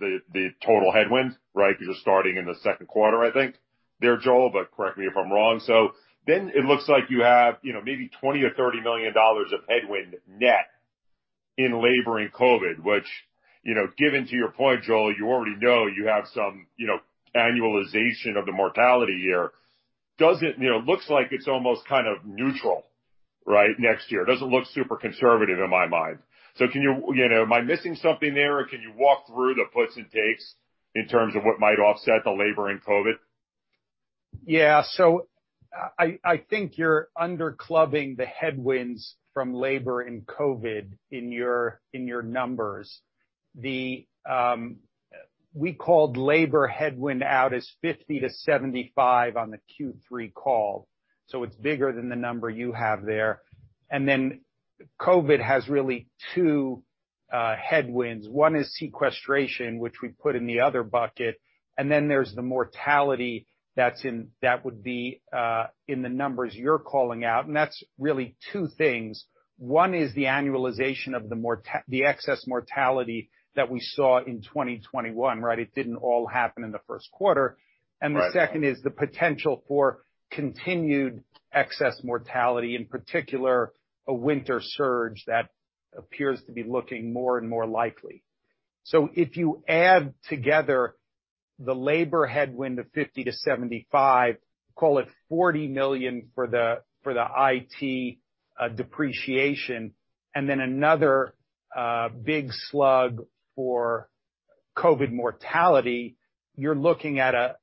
the total headwind, right? Because you're starting in the second quarter, I think, there, Joel, but correct me if I'm wrong. It looks like you have, you know, maybe $20 million or $30 million of headwind net in labor and COVID-19, which, you know, given to your point, Joel, you already know you have some, you know, annualization of the mortality here. Does it, you know, look like it's almost kind of neutral, right, next year. It doesn't look super conservative in my mind. Can you know, am I missing something there or can you walk through the puts and takes in terms of what might offset the labor and COVID-19? Yeah, I think you're under clubbing the headwinds from labor and COVID-19 in your numbers. We called labor headwind out as $50–$75 on the Q3 call, so it's bigger than the number you have there. COVID-19 has really two headwinds. One is sequestration, which we put in the other bucket, and then there's the mortality that would be in the numbers you're calling out, and that's really two things. One is the annualization of the excess mortality that we saw in 2021, right? It didn't all happen in the first quarter. Right. The second is the potential for continued excess mortality, in particular, a winter surge that appears to be looking more and more likely. If you add together the labor headwind of $50 million–$75 million, call it $40 million for the IT depreciation, and then another big slug for COVID-19 mortality, you're looking at a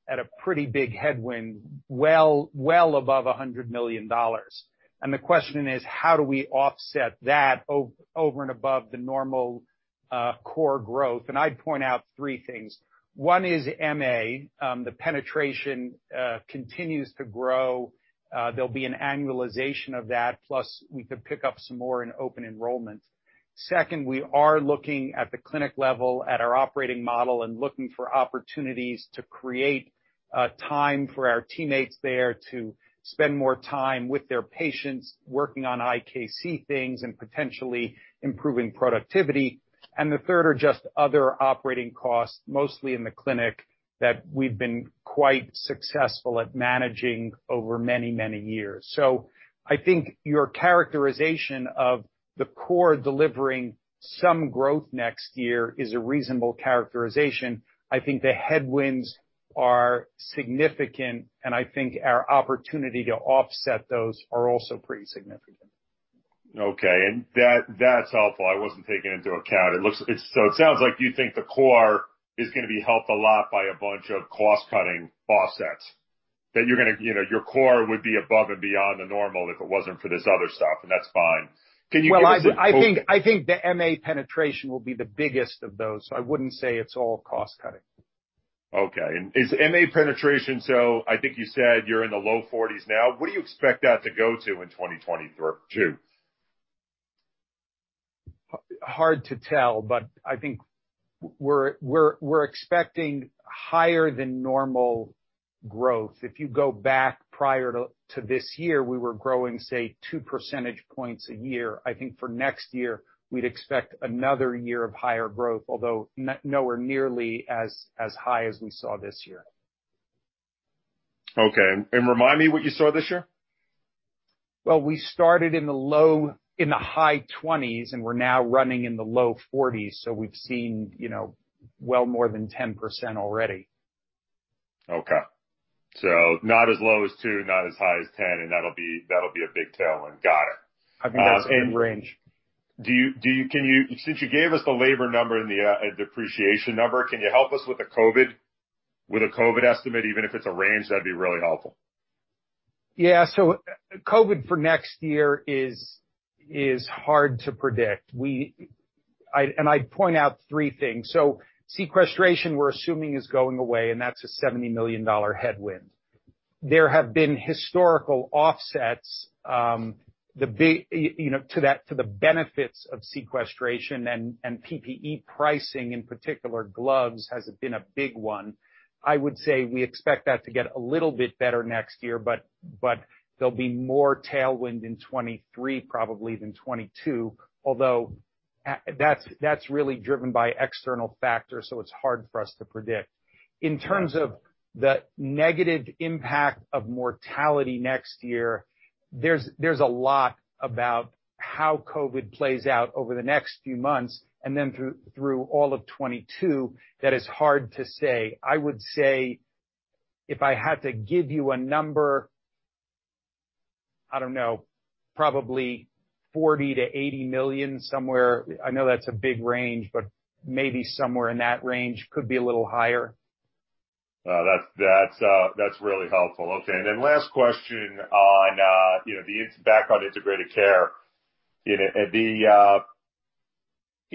pretty big headwind well above $100 million. The question is, how do we offset that over and above the normal core growth? I'd point out three things. One is MA. The penetration continues to grow. There'll be an annualization of that, plus we could pick up some more in open enrollment. Second, we are looking at the clinic level at our operating model and looking for opportunities to create time for our teammates there to spend more time with their patients working on IKC things and potentially improving productivity. The third are just other operating costs, mostly in the clinic, that we've been quite successful at managing over many, many years. I think your characterization of the core delivering some growth next year is a reasonable characterization. I think the headwinds are significant, and I think our opportunity to offset those are also pretty significant. Okay. That, that's helpful. I wasn't taking into account. It sounds like you think the core is going to be helped a lot by a bunch of cost-cutting offsets, that you're going to, you know, your core would be above and beyond the normal if it wasn't for this other stuff, and that's fine. Can you give us- Well, I think the MA penetration will be the biggest of those. I wouldn't say it's all cost-cutting. Okay. I think you said you're in the low 40s now. What do you expect that to go to in 2022? Hard to tell, but I think we're expecting higher than normal growth. If you go back prior to this year, we were growing, say, two percentage points a year. I think for next year, we'd expect another year of higher growth, although nowhere nearly as high as we saw this year. Okay. Remind me what you saw this year. Well, we started in the high 20s, and we're now running in the low 40s, so we've seen, you know, well more than 10% already. Okay. Not as low as 2%, not as high as 10%, and that'll be a big tailwind. Got it. I think that's in range. Since you gave us the labor number and the depreciation number, can you help us with a COVID-19 estimate? Even if it's a range, that'd be really helpful. Yeah. COVID-19 for next year is hard to predict. I'd point out three things. Sequestration, we're assuming, is going away, and that's a $70 million headwind. There have been historical offsets, the big, you know, to the benefits of sequestration and PPE pricing, in particular, gloves, has been a big one. I would say we expect that to get a little bit better next year, but there'll be more tailwind in 2023 probably than 2022, although that's really driven by external factors, so it's hard for us to predict. In terms of the negative impact of mortality next year, there's a lot about how COVID-19 plays out over the next few months and then through all of 2022 that is hard to say. I would say if I had to give you a number, I don't know, probably $40 million–$80 million somewhere. I know that's a big range, but maybe somewhere in that range, could be a little higher. That's really helpful. Okay. Last question on, you know, the back on integrated care. You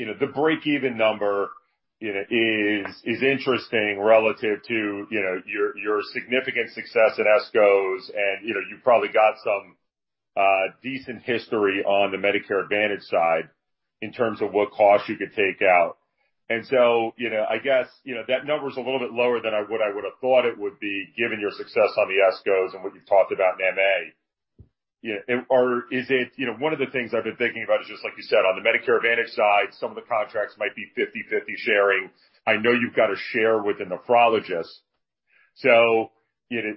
know, the break-even number, you know, is interesting relative to, you know, your significant success at ESCOs, and, you know, you probably got some decent history on the Medicare Advantage side in terms of what costs you could take out. You know, I guess, you know, that number's a little bit lower than I would have thought it would be given your success on the ESCOs and what you've talked about in MA. You know, or is it, you know, one of the things I've been thinking about is just like you said, on the Medicare Advantage side, some of the contracts might be 50/50 sharing. I know you've got a share with the nephrologist. You know,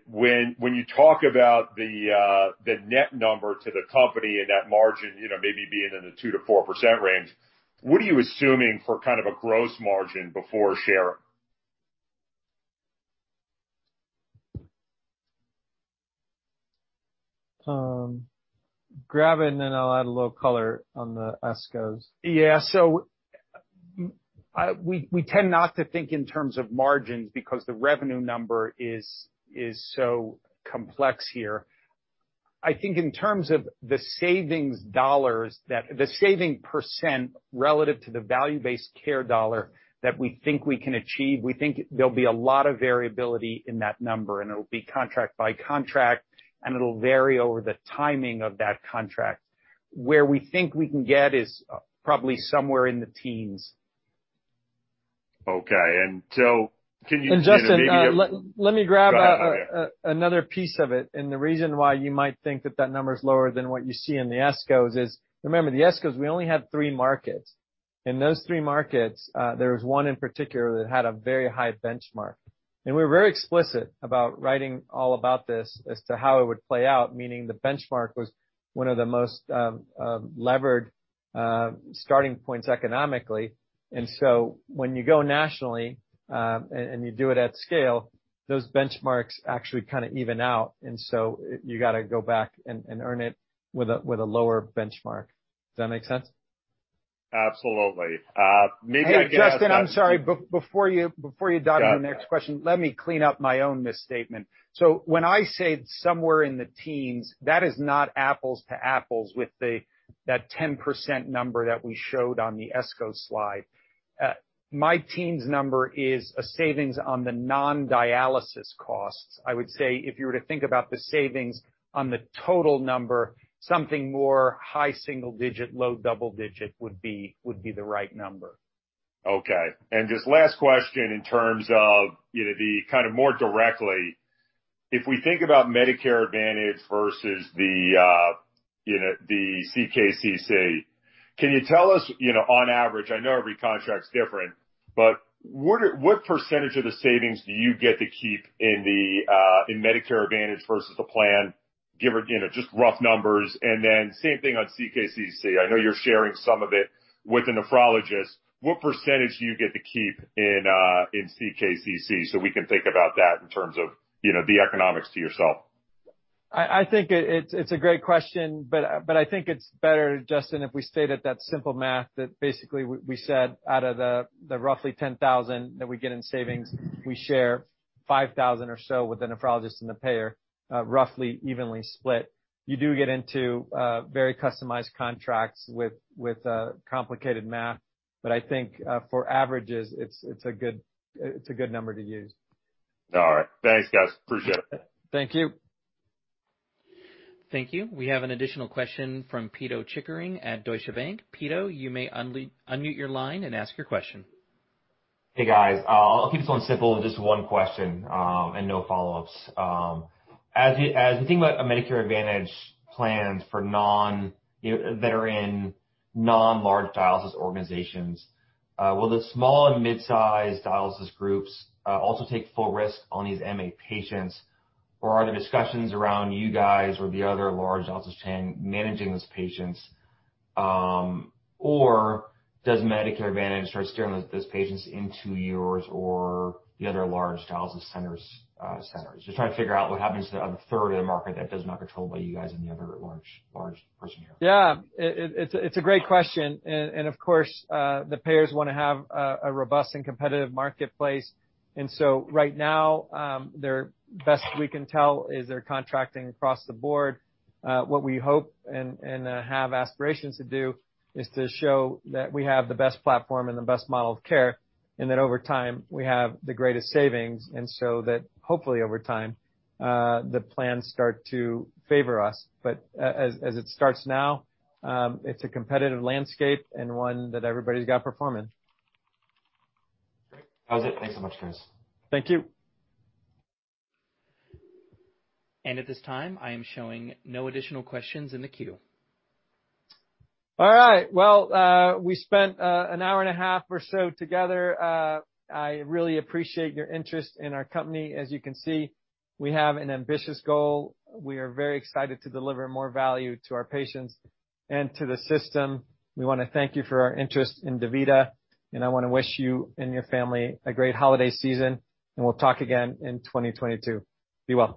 when you talk about the net number to the company and that margin, you know, maybe being in the 2%–4% range, what are you assuming for kind of a gross margin before share? Grab it and then I'll add a little color on the ESCOs. Yeah. We tend not to think in terms of margins because the revenue number is so complex here. I think in terms of the savings dollars, the saving percent relative to the value-based care dollar that we think we can achieve. We think there'll be a lot of variability in that number, and it'll be contract by contract, and it'll vary over the timing of that contract. Where we think we can get is probably somewhere in the teens. Okay. Can you know, Justin, let me grab another piece of it. The reason why you might think that number is lower than what you see in the ESCOs is, remember, the ESCOs, we only had three markets. In those three markets, there was one in particular that had a very high benchmark. We were very explicit about writing all about this as to how it would play out, meaning the benchmark was one of the most levered starting points economically. When you go nationally and you do it at scale, those benchmarks actually kind of even out. You gotta go back and earn it with a lower benchmark. Does that make sense? Absolutely. Hey, Justin, I'm sorry. Before you dive in the next question, let me clean up my own misstatement. When I say somewhere in the teens, that is not apples to apples with the 10% number that we showed on the ESCO slide. My teens number is a savings on the non-dialysis costs. I would say if you were to think about the savings on the total number, something more high single digit, low double digit would be the right number. Okay. Just last question in terms of, you know, the kind of more directly, if we think about Medicare Advantage versus the, you know, the CKCC, can you tell us, you know, on average, I know every contract's different, but what percentage of the savings do you get to keep in the, in Medicare Advantage versus the plan? Give or, you know, just rough numbers. Then same thing on CKCC. I know you're sharing some of it with the nephrologist. What percentage do you get to keep in CKCC so we can think about that in terms of, you know, the economics to yourself? I think it's a great question, but I think it's better, Justin, if we stayed at that simple math that basically we said out of the roughly $10,000 that we get in savings, we share $5,000 or so with the nephrologist and the payer, roughly evenly split. You do get into very customized contracts with complicated math. I think for averages, it's a good number to use. All right. Thanks, guys. Appreciate it. Thank you. Thank you. We have an additional question from Pito Chickering at Deutsche Bank. Pito, you may unmute your line and ask your question. Hey, guys. I'll keep this 1 simple with just one question and no follow-ups. As you think about Medicare Advantage plans that are in non-large dialysis organizations, will the small and midsize dialysis groups also take full risk on these MA patients? Or are the discussions around you guys or the other large dialysis chain managing these patients? Or does Medicare Advantage start steering those patients into yours or the other large dialysis centers? Just trying to figure out what happens to the other 1/3 of the market that is not controlled by you guys and the other large player here. Yeah. It's a great question. Of course, the payers want to have a robust and competitive marketplace. Right now, as best we can tell, they're contracting across the board. What we hope and have aspirations to do is to show that we have the best platform and the best model of care, and that over time, we have the greatest savings. That hopefully over time, the plans start to favor us. But as it stands now, it's a competitive landscape and one that everybody's got to perform. Great. That was it. Thanks so much. Thank you. At this time, I am showing no additional questions in the queue. All right. Well, we spent an hour and a half or so together. I really appreciate your interest in our company. As you can see, we have an ambitious goal. We are very excited to deliver more value to our patients and to the system. We want to thank you for your interest in DaVita, and I want to wish you and your family a great holiday season, and we'll talk again in 2022. Be well.